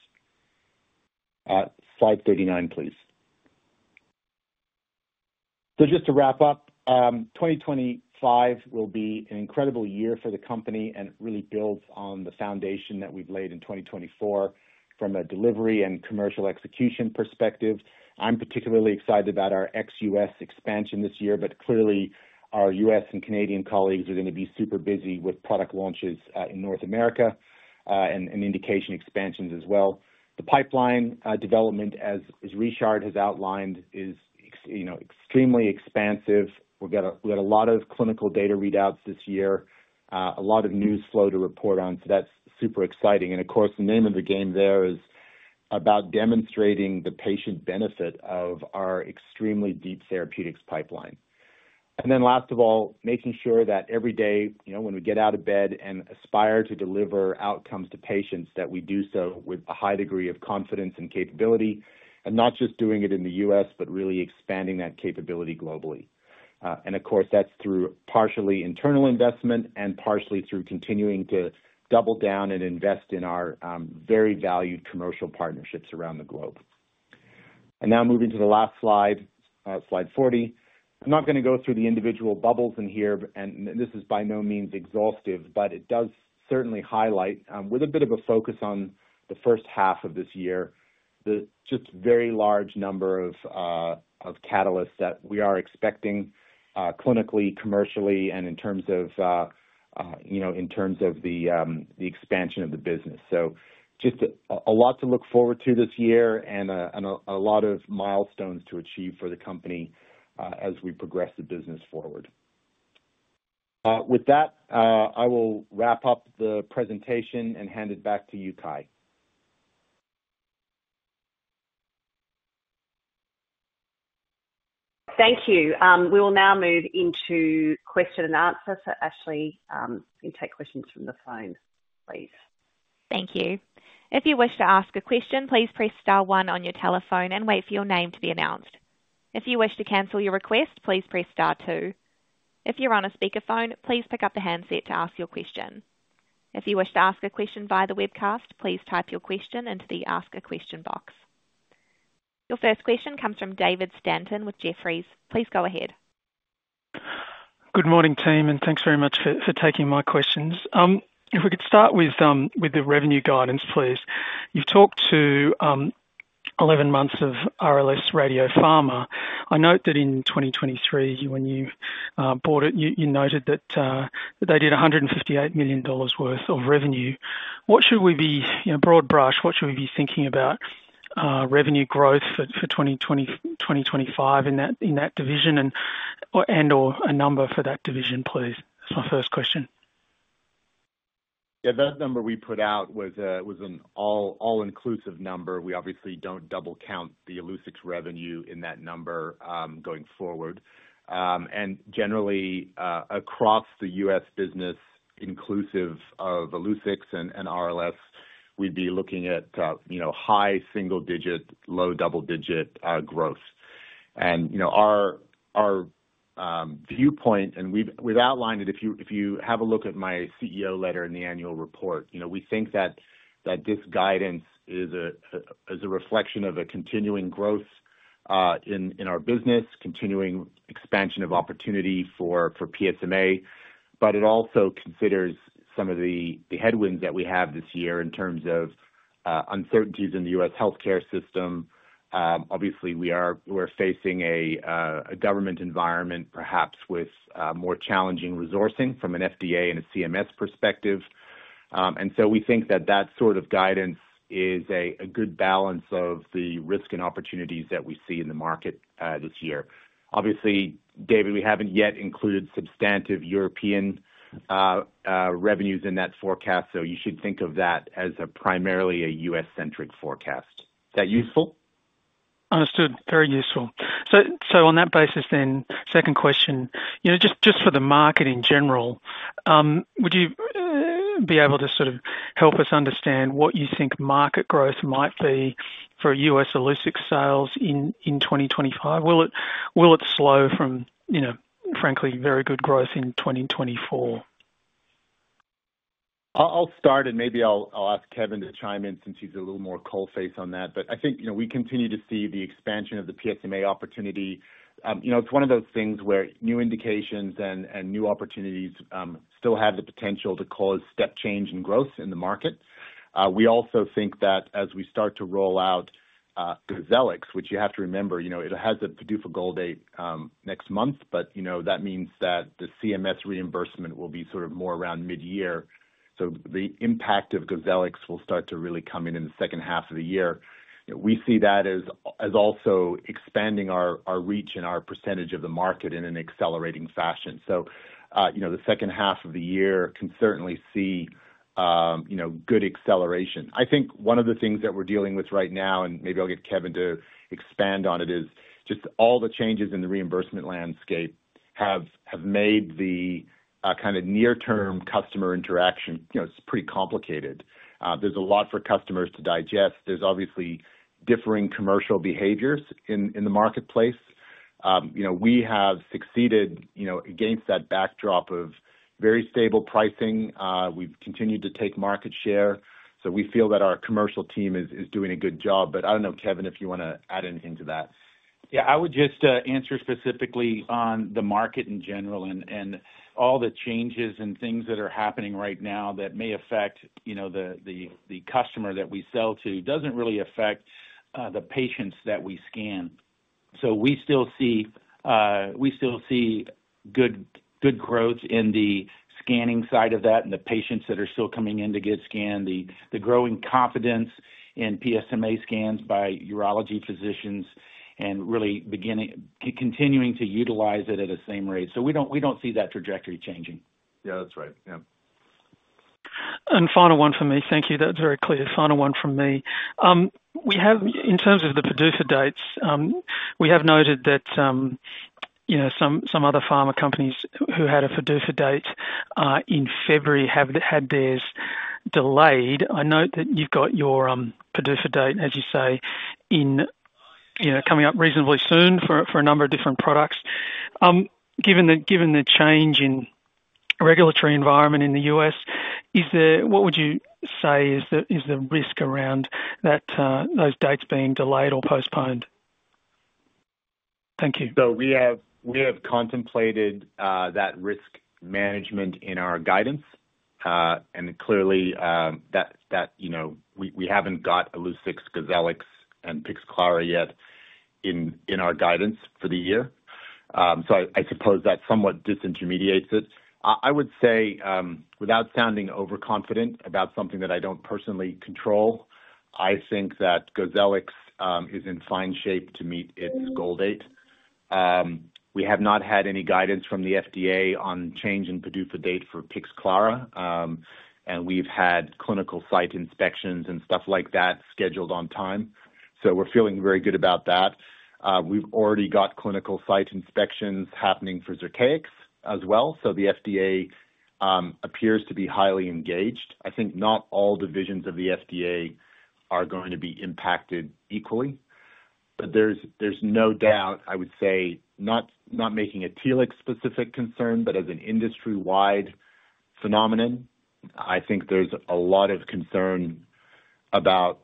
Slide 39, please. So just to wrap up, 2025 will be an incredible year for the company and really builds on the foundation that we've laid in 2024 from a delivery and commercial execution perspective. I'm particularly excited about our ex-U.S. expansion this year, but clearly, our U.S. and Canadian colleagues are going to be super busy with product launches in North America and indication expansions as well. The pipeline development, as Richard has outlined, is extremely expansive. We've got a lot of clinical data readouts this year, a lot of news flow to report on, so that's super exciting, and of course, the name of the game there is about demonstrating the patient benefit of our extremely deep therapeutics pipeline, and then last of all, making sure that every day when we get out of bed and aspire to deliver outcomes to patients, that we do so with a high degree of confidence and capability and not just doing it in the U.S., but really expanding that capability globally. Of course, that's through partially internal investment and partially through continuing to double down and invest in our very valued commercial partnerships around the globe. Now moving to the last slide, slide 40. I'm not going to go through the individual bubbles in here. This is by no means exhaustive, but it does certainly highlight, with a bit of a focus on the first half of this year, the just very large number of catalysts that we are expecting clinically, commercially, and in terms of the expansion of the business. So just a lot to look forward to this year and a lot of milestones to achieve for the company as we progress the business forward. With that, I will wrap up the presentation and hand it back to you, Ky. Thank you. We will now move into question and answer. So Ashley, you can take questions from the phone, please. Thank you. If you wish to ask a question, please press star one on your telephone and wait for your name to be announced. If you wish to cancel your request, please press star two. If you're on a speakerphone, please pick up the handset to ask your question. If you wish to ask a question via the webcast, please type your question into the ask a question box. Your first question comes from David Stanton with Jefferies. Please go ahead. Good morning, team, and thanks very much for taking my questions. If we could start with the revenue guidance, please. You've talked to 11 months of RLS Radiopharma. I note that in 2023, when you bought it, you noted that they did 158 million dollars worth of revenue. What should we be broad brush, what should we be thinking about revenue growth for 2025 in that division and/or a number for that division, please? That's my first question. Yeah, that number we put out was an all-inclusive number. We obviously don't double count the Illuccix revenue in that number going forward. And generally, across the U.S. business inclusive of Illuccix and RLS, we'd be looking at high single-digit, low double-digit growth. And our viewpoint, and we've outlined it, if you have a look at my CEO letter in the annual report, we think that this guidance is a reflection of a continuing growth in our business, continuing expansion of opportunity for PSMA. But it also considers some of the headwinds that we have this year in terms of uncertainties in the U.S. healthcare system. Obviously, we're facing a government environment, perhaps with more challenging resourcing from an FDA and a CMS perspective. And so we think that that sort of guidance is a good balance of the risk and opportunities that we see in the market this year. Obviously, David, we haven't yet included substantive European revenues in that forecast. So you should think of that as primarily a U.S.-centric forecast. Is that useful? Understood. Very useful. So on that basis, then, second question, just for the market in general, would you be able to sort of help us understand what you think market growth might be for U.S. Illuccix sales in 2025? Will it slow from, frankly, very good growth in 2024? I'll start, and maybe I'll ask Kevin to chime in since he's a little more cold-faced on that. But I think we continue to see the expansion of the PSMA opportunity. It's one of those things where new indications and new opportunities still have the potential to cause step change in growth in the market. We also think that as we start to roll out Gozellix, which you have to remember, it has a PDUFA goal date next month, but that means that the CMS reimbursement will be sort of more around mid-year. So the impact of Gozellix will start to really come in in the second half of the year. We see that as also expanding our reach and our percentage of the market in an accelerating fashion. So the second half of the year can certainly see good acceleration. I think one of the things that we're dealing with right now, and maybe I'll get Kevin to expand on it, is just all the changes in the reimbursement landscape have made the kind of near-term customer interaction pretty complicated. There's a lot for customers to digest. There's obviously differing commercial behaviors in the marketplace. We have succeeded against that backdrop of very stable pricing. We've continued to take market share. So we feel that our commercial team is doing a good job. But I don't know, Kevin, if you want to add anything to that. Yeah, I would just answer specifically on the market in general and all the changes and things that are happening right now that may affect the customer that we sell to, doesn't really affect the patients that we scan. So we still see good growth in the scanning side of that and the patients that are still coming in to get scanned, the growing confidence in PSMA scans by urology physicians, and really continuing to utilize it at a same rate. So we don't see that trajectory changing. Yeah, that's right. Yeah. And final one for me. Thank you. That was very clear. Final one from me. In terms of the PDUFA dates, we have noted that some other pharma companies who had a PDUFA date in February have had theirs delayed. I note that you've got your PDUFA date, as you say, coming up reasonably soon for a number of different products. Given the change in regulatory environment in the U.S., what would you say is the risk around those dates being delayed or postponed? Thank you. So we have contemplated that risk management in our guidance. And clearly, we haven't got Illuccix, Gozellix, and Pixclara yet in our guidance for the year. So I suppose that somewhat disintermediates it. I would say, without sounding overconfident about something that I don't personally control, I think that Gozellix is in fine shape to meet its go-live date. We have not had any guidance from the FDA on change in PDUFA date for Pixclara. And we've had clinical site inspections and stuff like that scheduled on time. So we're feeling very good about that. We've already got clinical site inspections happening for Zircaix as well. So the FDA appears to be highly engaged. I think not all divisions of the FDA are going to be impacted equally. But there's no doubt, I would say, not making a Telix-specific concern, but as an industry-wide phenomenon, I think there's a lot of concern about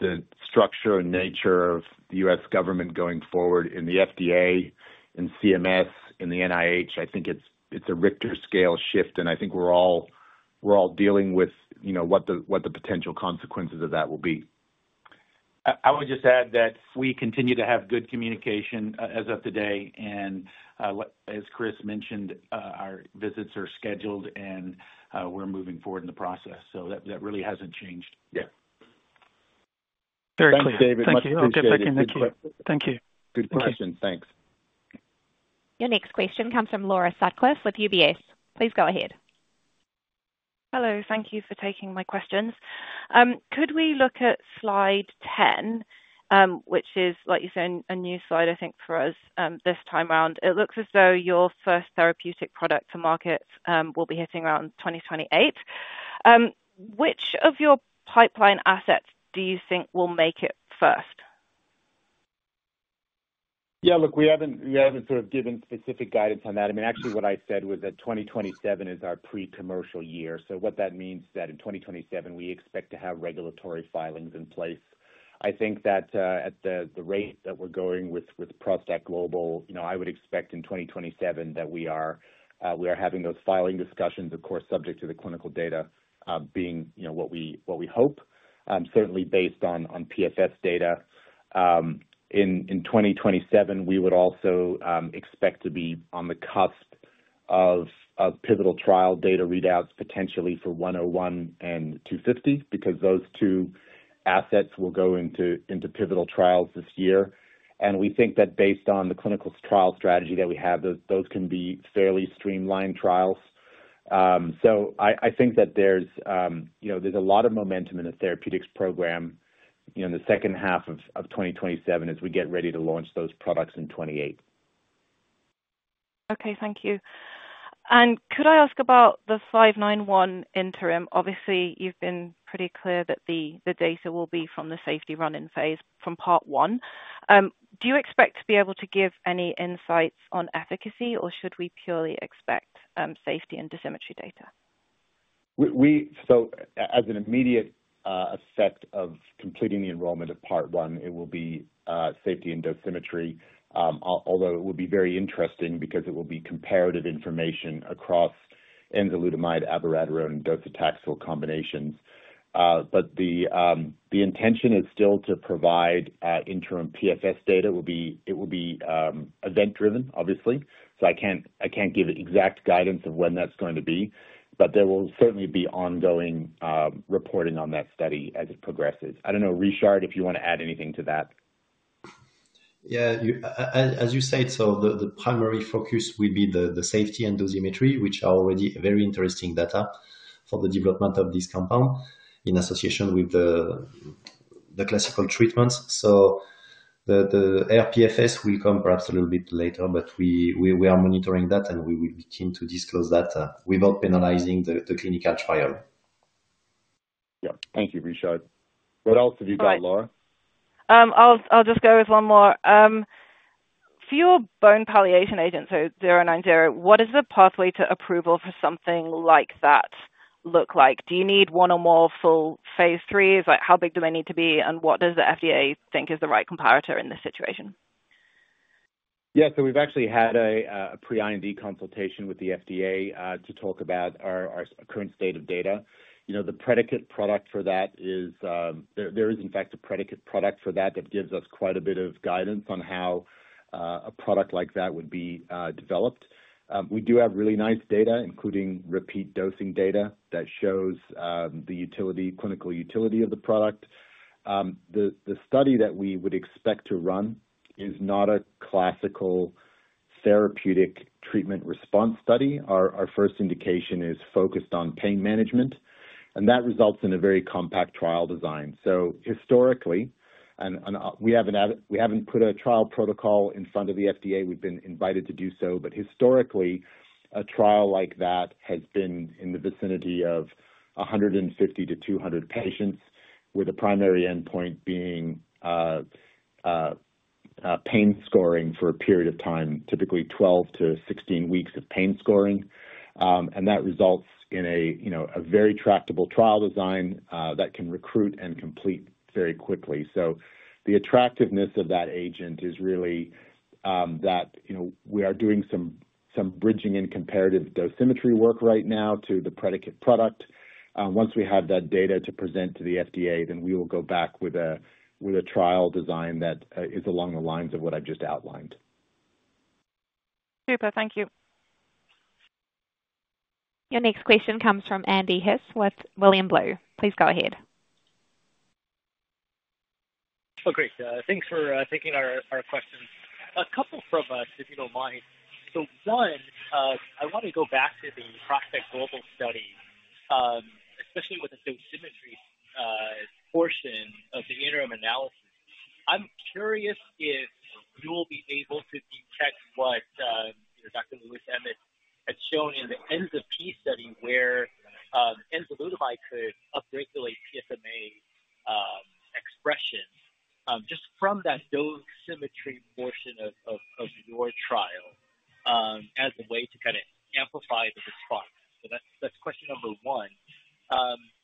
the structure and nature of the U.S. government going forward in the FDA, in CMS, in the NIH. I think it's a Richter scale shift. And I think we're all dealing with what the potential consequences of that will be. I would just add that we continue to have good communication as of today. And as Chris mentioned, our visits are scheduled, and we're moving forward in the process. So that really hasn't changed yet. Very clear. Thank you. Thank you. Thank you. Good questions. Thanks. Your next question comes from Laura Sutcliffe with UBS. Please go ahead. Hello. Thank you for taking my questions. Could we look at slide 10, which is, like you said, a new slide, I think, for us this time around? It looks as though your first therapeutic product to market will be hitting around 2028. Which of your pipeline assets do you think will make it first? Yeah, look, we haven't sort of given specific guidance on that. I mean, actually, what I said was that 2027 is our pre-commercial year, so what that means is that in 2027, we expect to have regulatory filings in place. I think that at the rate that we're going with ProstACT Global, I would expect in 2027 that we are having those filing discussions, of course, subject to the clinical data being what we hope, certainly based on PFS data. In 2027, we would also expect to be on the cusp of pivotal trial data readouts, potentially for 101 and 250, because those two assets will go into pivotal trials this year, and we think that based on the clinical trial strategy that we have, those can be fairly streamlined trials. I think that there's a lot of momentum in the therapeutics program in the second half of 2027 as we get ready to launch those products in 2028. Okay. Thank you. And could I ask about the 591 interim? Obviously, you've been pretty clear that the data will be from the safety run-in phase from part one. Do you expect to be able to give any insights on efficacy, or should we purely expect safety and dosimetry data? So as an immediate effect of completing the enrollment of part one, it will be safety and dosimetry, although it will be very interesting because it will be comparative information across enzalutamide, abiraterone, and docetaxel combinations. But the intention is still to provide interim PFS data. It will be event-driven, obviously. So I can't give exact guidance of when that's going to be. But there will certainly be ongoing reporting on that study as it progresses. I don't know, Richard, if you want to add anything to that. Yeah. As you said, so the primary focus will be the safety and dosimetry, which are already very interesting data for the development of this compound in association with the classical treatments. So the rPFS will come perhaps a little bit later, but we are monitoring that, and we will be keen to disclose that without penalizing the clinical trial. Yeah. Thank you, Richard. What else have you got, Laura? I'll just go with one more. For your bone palliation agent, so 090, what does the pathway to approval for something like that look like? Do you need one or more full phase IIIs? How big do they need to be, and what does the FDA think is the right comparator in this situation? Yeah. So we've actually had a pre-IND consultation with the FDA to talk about our current state of data. The predicate product for that is, in fact, a predicate product for that that gives us quite a bit of guidance on how a product like that would be developed. We do have really nice data, including repeat dosing data that shows the clinical utility of the product. The study that we would expect to run is not a classical therapeutic treatment response study. Our first indication is focused on pain management. That results in a very compact trial design. So, historically, we haven't put a trial protocol in front of the FDA. We've been invited to do so. Historically, a trial like that has been in the vicinity of 150-200 patients with a primary endpoint being pain scoring for a period of time, typically 12-16 weeks of pain scoring. That results in a very tractable trial design that can recruit and complete very quickly. The attractiveness of that agent is really that we are doing some bridging and comparative dosimetry work right now to the predicate product. Once we have that data to present to the FDA, then we will go back with a trial design that is along the lines of what I've just outlined. Super. Thank you. Your next question comes from Andy Hsieh with William Blair. Please go ahead. Oh, great. Thanks for taking our questions. A couple from us, if you don't mind. So one, I want to go back to the ProstACT Global study, especially with the dosimetry portion of the interim analysis. I'm curious if you will be able to detect what Dr. Louise Emmett had shown in the ENZA-P study where enzalutamide could upregulate PSMA expression just from that dosimetry portion of your trial as a way to kind of amplify the response. So that's question number one.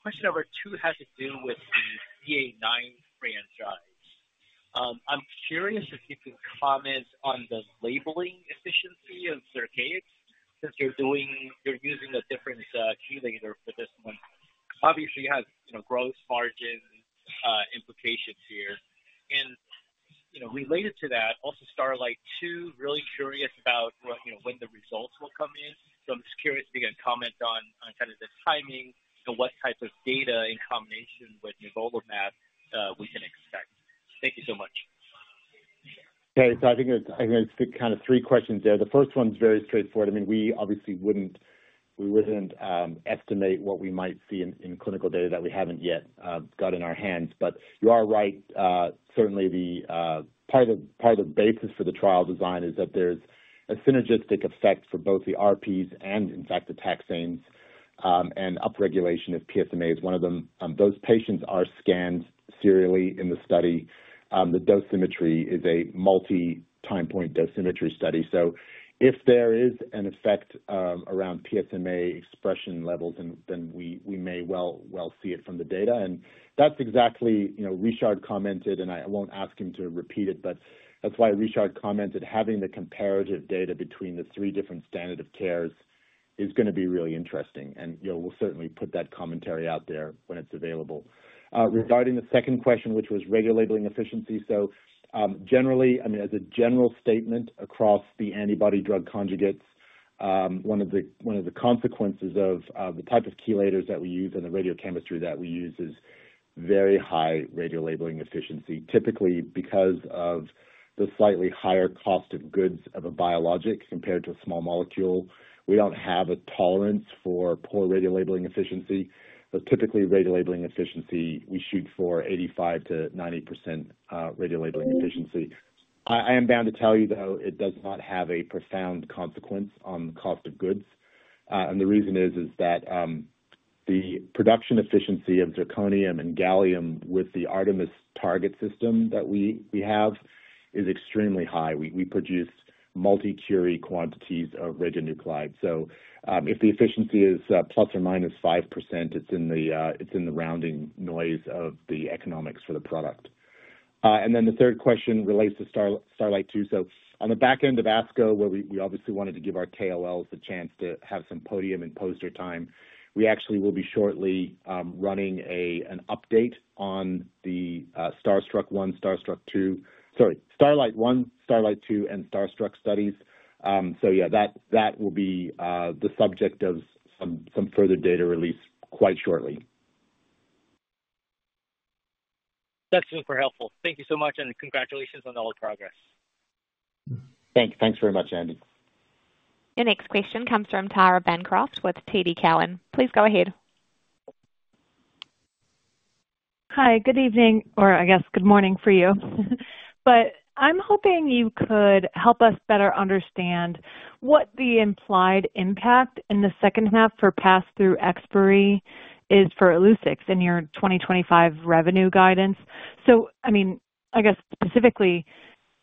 Question number two has to do with the CAIX franchise. I'm curious if you can comment on the labeling efficiency of Zircaix since you're using a different accelerator for this one. Obviously, you have gross margin implications here. And related to that, also STARLITE 2, really curious about when the results will come in. So I'm just curious if you can comment on kind of the timing and what type of data in combination with nivolumab we can expect? Thank you so much. Okay. So I think it's kind of three questions there. The first one's very straightforward. I mean, we obviously wouldn't estimate what we might see in clinical data that we haven't yet got in our hands. But you are right. Certainly, part of the basis for the trial design is that there's a synergistic effect for both the ARPs and, in fact, the taxanes and upregulation of PSMA is one of them. Those patients are scanned serially in the study. The dosimetry is a multi-time point dosimetry study. So if there is an effect around PSMA expression levels, then we may well see it from the data. And that's exactly Richard commented, and I won't ask him to repeat it, but that's why Richard commented having the comparative data between the three different standard of cares is going to be really interesting. We'll certainly put that commentary out there when it's available. Regarding the second question, which was radiolabeling efficiency, so generally, I mean, as a general statement across the antibody drug conjugates, one of the consequences of the type of chelators that we use and the radiochemistry that we use is very high radiolabeling efficiency. Typically, because of the slightly higher cost of goods of a biologic compared to a small molecule, we don't have a tolerance for poor radiolabeling efficiency. But typically, radiolabeling efficiency, we shoot for 85%-90% radiolabeling efficiency. I am bound to tell you, though, it does not have a profound consequence on the cost of goods. The reason is that the production efficiency of zirconium and gallium with the ARTMS target system that we have is extremely high. We produce multi-curie quantities of radionuclide. So if the efficiency is ±5%, it's in the rounding noise of the economics for the product. And then the third question relates to STARLITE 2. So on the back end of ASCO, where we obviously wanted to give our KOLs the chance to have some podium and poster time, we actually will be shortly running an update on the STARSTRUCK 1, STARSTRUCK 2, sorry, STARLITE 1, STARLITE 2, and STARSTRUCK studies. So yeah, that will be the subject of some further data release quite shortly. That's super helpful. Thank you so much, and congratulations on all the progress. Thanks. Thanks very much, Andy. Your next question comes from Tara Bancroft with TD Cowen. Please go ahead. Hi. Good evening, or I guess good morning for you. But I'm hoping you could help us better understand what the implied impact in the second half for pass-through expiry is for Illuccix in your 2025 revenue guidance. So I mean, I guess specifically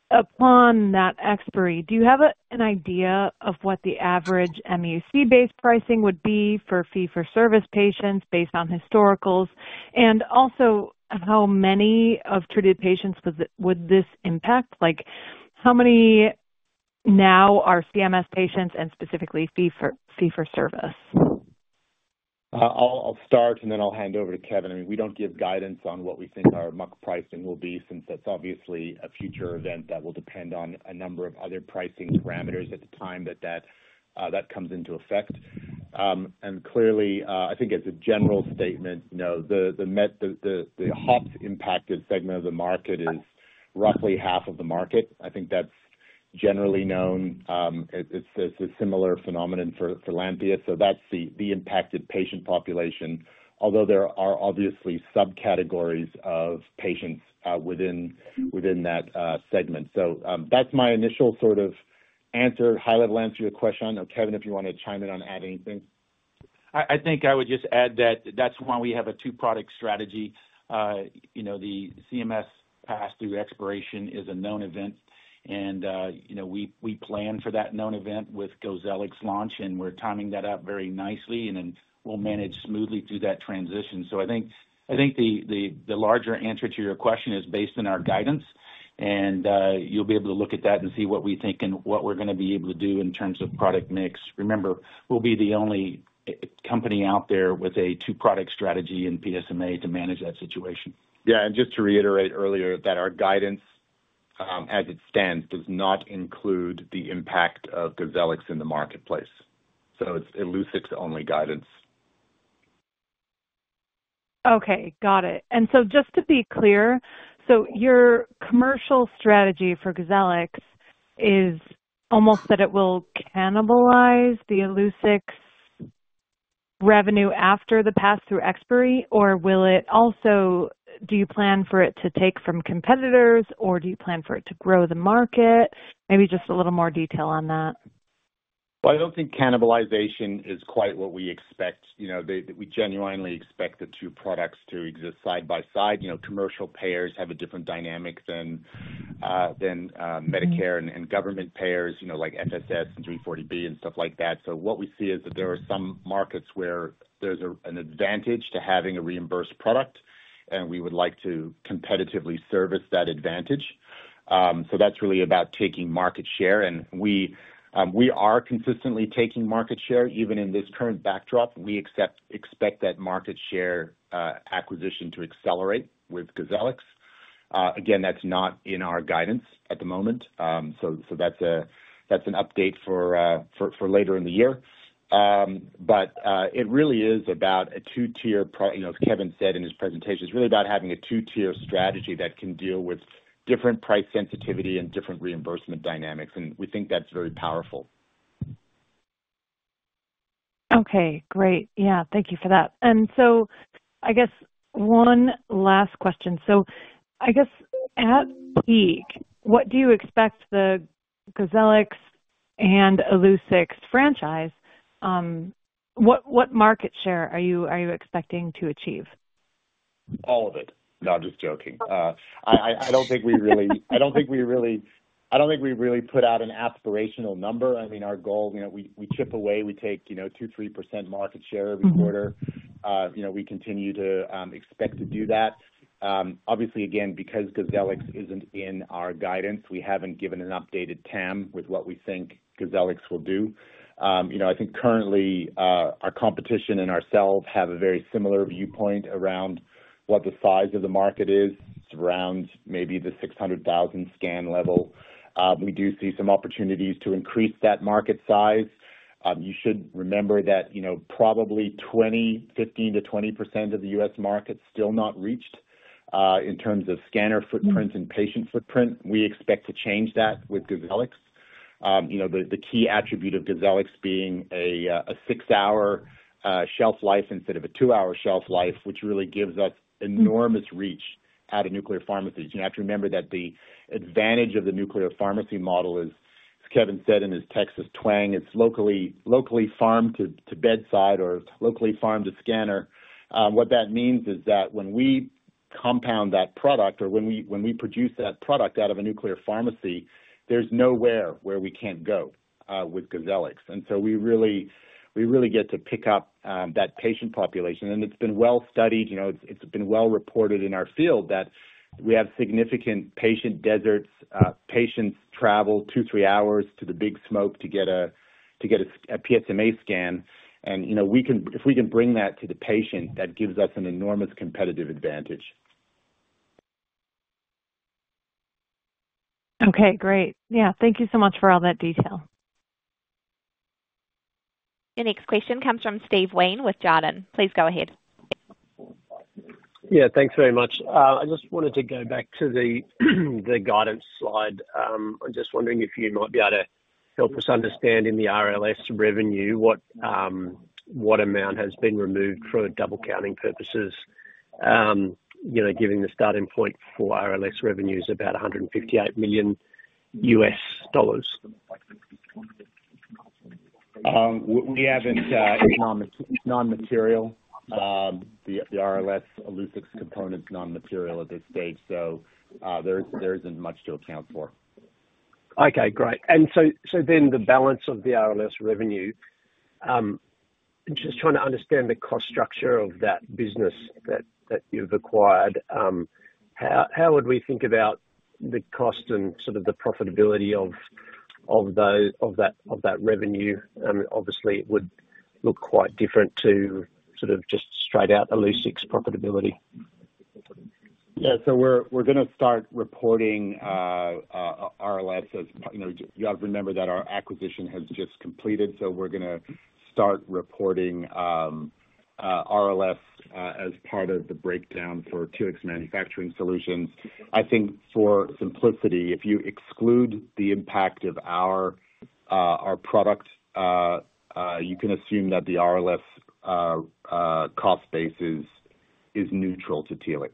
upon that expiry, do you have an idea of what the average MUC-based pricing would be for fee-for-service patients based on historicals? And also, how many of treated patients would this impact? How many now are CMS patients and specifically fee-for-service? I'll start, and then I'll hand over to Kevin. I mean, we don't give guidance on what we think our MUC pricing will be since that's obviously a future event that will depend on a number of other pricing parameters at the time that that comes into effect. And clearly, I think as a general statement, the HOPS-impacted segment of the market is roughly half of the market. I think that's generally known. It's a similar phenomenon for Lantheus. So that's the impacted patient population, although there are obviously subcategories of patients within that segment. So that's my initial sort of high-level answer to your question. I don't know, Kevin, if you want to chime in on adding anything. I think I would just add that that's why we have a two-product strategy. The CMS pass-through expiration is a known event, and we plan for that known event with Gozellix launch, and we're timing that up very nicely, and then we'll manage smoothly through that transition, so I think the larger answer to your question is based on our guidance, and you'll be able to look at that and see what we think and what we're going to be able to do in terms of product mix. Remember, we'll be the only company out there with a two-product strategy in PSMA to manage that situation. Yeah. Just to reiterate earlier that our guidance, as it stands, does not include the impact of Gozellix in the marketplace. It's Illuccix-only guidance. Okay. Got it. And so just to be clear, so your commercial strategy for Gozellix is almost that it will cannibalize the Illuccix revenue after the pass-through expiry, or will it also? Do you plan for it to take from competitors, or do you plan for it to grow the market? Maybe just a little more detail on that. I don't think cannibalization is quite what we expect. We genuinely expect the two products to exist side by side. Commercial payers have a different dynamic than Medicare and government payers like FSS and 340B and stuff like that. So what we see is that there are some markets where there's an advantage to having a reimbursed product, and we would like to competitively service that advantage. So that's really about taking market share. And we are consistently taking market share. Even in this current backdrop, we expect that market share acquisition to accelerate with Gozellix. Again, that's not in our guidance at the moment. So that's an update for later in the year. But it really is about a two-tier product, as Kevin said in his presentation. It's really about having a two-tier strategy that can deal with different price sensitivity and different reimbursement dynamics. We think that's very powerful. Okay. Great. Yeah. Thank you for that. And so I guess one last question. So I guess at peak, what do you expect the Gozellix and Illuccix franchise? What market share are you expecting to achieve? All of it. No, I'm just joking. I don't think we really put out an aspirational number. I mean, our goal, we chip away. We take 2%-3% market share every quarter. We continue to expect to do that. Obviously, again, because Gozellix isn't in our guidance, we haven't given an updated TAM with what we think Gozellix will do. I think currently, our competition and ourselves have a very similar viewpoint around what the size of the market is. It's around maybe the 600,000 scan level. We do see some opportunities to increase that market size. You should remember that probably 15%-20% of the U.S. market is still not reached in terms of scanner footprint and patient footprint. We expect to change that with Gozellix. The key attribute of Gozellix being a six-hour shelf life instead of a two-hour shelf life, which really gives us enormous reach at a nuclear pharmacy. You have to remember that the advantage of the nuclear pharmacy model is, as Kevin said in his Texas twang, it's locally farmed to bedside or locally farmed to scanner. What that means is that when we compound that product or when we produce that product out of a nuclear pharmacy, there's nowhere where we can't go with Gozellix, and so we really get to pick up that patient population, and it's been well studied. It's been well reported in our field that we have significant patient deserts. Patients travel two, three hours to the big smoke to get a PSMA scan, and if we can bring that to the patient, that gives us an enormous competitive advantage. Okay. Great. Yeah. Thank you so much for all that detail. Your next question comes from Steve Wheen with Jarden. Please go ahead. Yeah. Thanks very much. I just wanted to go back to the guidance slide. I'm just wondering if you might be able to help us understand in the RLS revenue what amount has been removed for double-counting purposes, giving the starting point for RLS revenues about AUD 158 million. We have it non-material. The RLS Illuccix component's non-material at this stage. So there isn't much to account for. Okay. Great. And so then the balance of the RLS revenue, just trying to understand the cost structure of that business that you've acquired, how would we think about the cost and sort of the profitability of that revenue? Obviously, it would look quite different to sort of just straight-out Illuccix profitability. Yeah, so we're going to start reporting RLS, as you have to remember that our acquisition has just completed, so we're going to start reporting RLS as part of the breakdown for Telix Manufacturing Solutions. I think for simplicity, if you exclude the impact of our product, you can assume that the RLS cost base is neutral to Telix.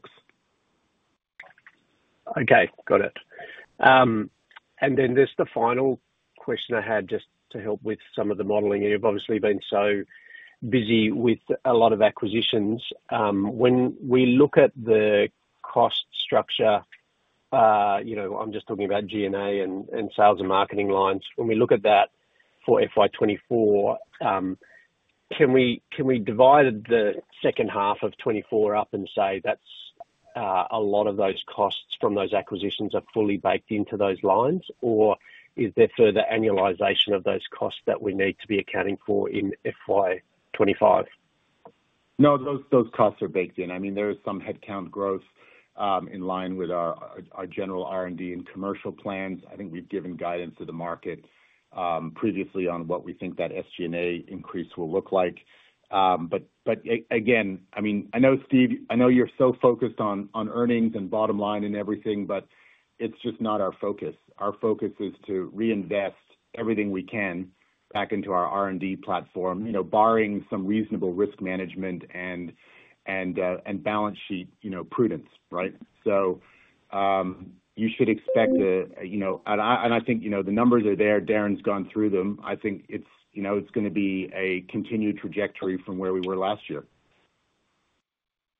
Okay. Got it. And then this is the final question I had just to help with some of the modeling. You've obviously been so busy with a lot of acquisitions. When we look at the cost structure, I'm just talking about G&A and sales and marketing lines. When we look at that for FY 2024, can we divide the second half of 2024 up and say that a lot of those costs from those acquisitions are fully baked into those lines, or is there further annualization of those costs that we need to be accounting for in FY 2025? No, those costs are baked in. I mean, there is some headcount growth in line with our general R&D and commercial plans. I think we've given guidance to the market previously on what we think that SG&A increase will look like. But again, I mean, I know, Steve, I know you're so focused on earnings and bottom line and everything, but it's just not our focus. Our focus is to reinvest everything we can back into our R&D platform, barring some reasonable risk management and balance sheet prudence, right? So you should expect, and I think the numbers are there. Darren's gone through them. I think it's going to be a continued trajectory from where we were last year.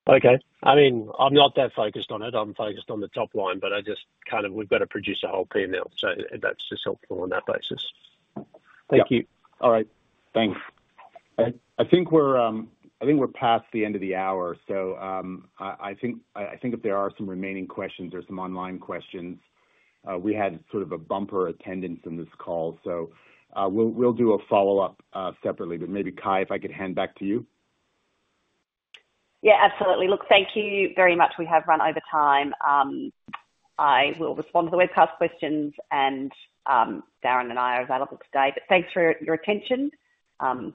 Okay. I mean, I'm not that focused on it. I'm focused on the top line, but I just kind of, we've got to produce a whole P&L. So that's just helpful on that basis. Thank you. All right. Thanks. I think we're past the end of the hour. So I think if there are some remaining questions or some online questions, we had sort of a bumper attendance in this call. So we'll do a follow-up separately. But maybe, Ky, if I could hand back to you. Yeah. Absolutely. Look, thank you very much. We have run over time. I will respond to the webcast questions, and Darren and I are available today. But thanks for your attention and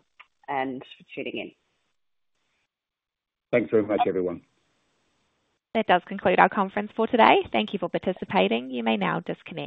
for tuning in. Thanks very much, everyone. That does conclude our conference for today. Thank you for participating. You may now disconnect.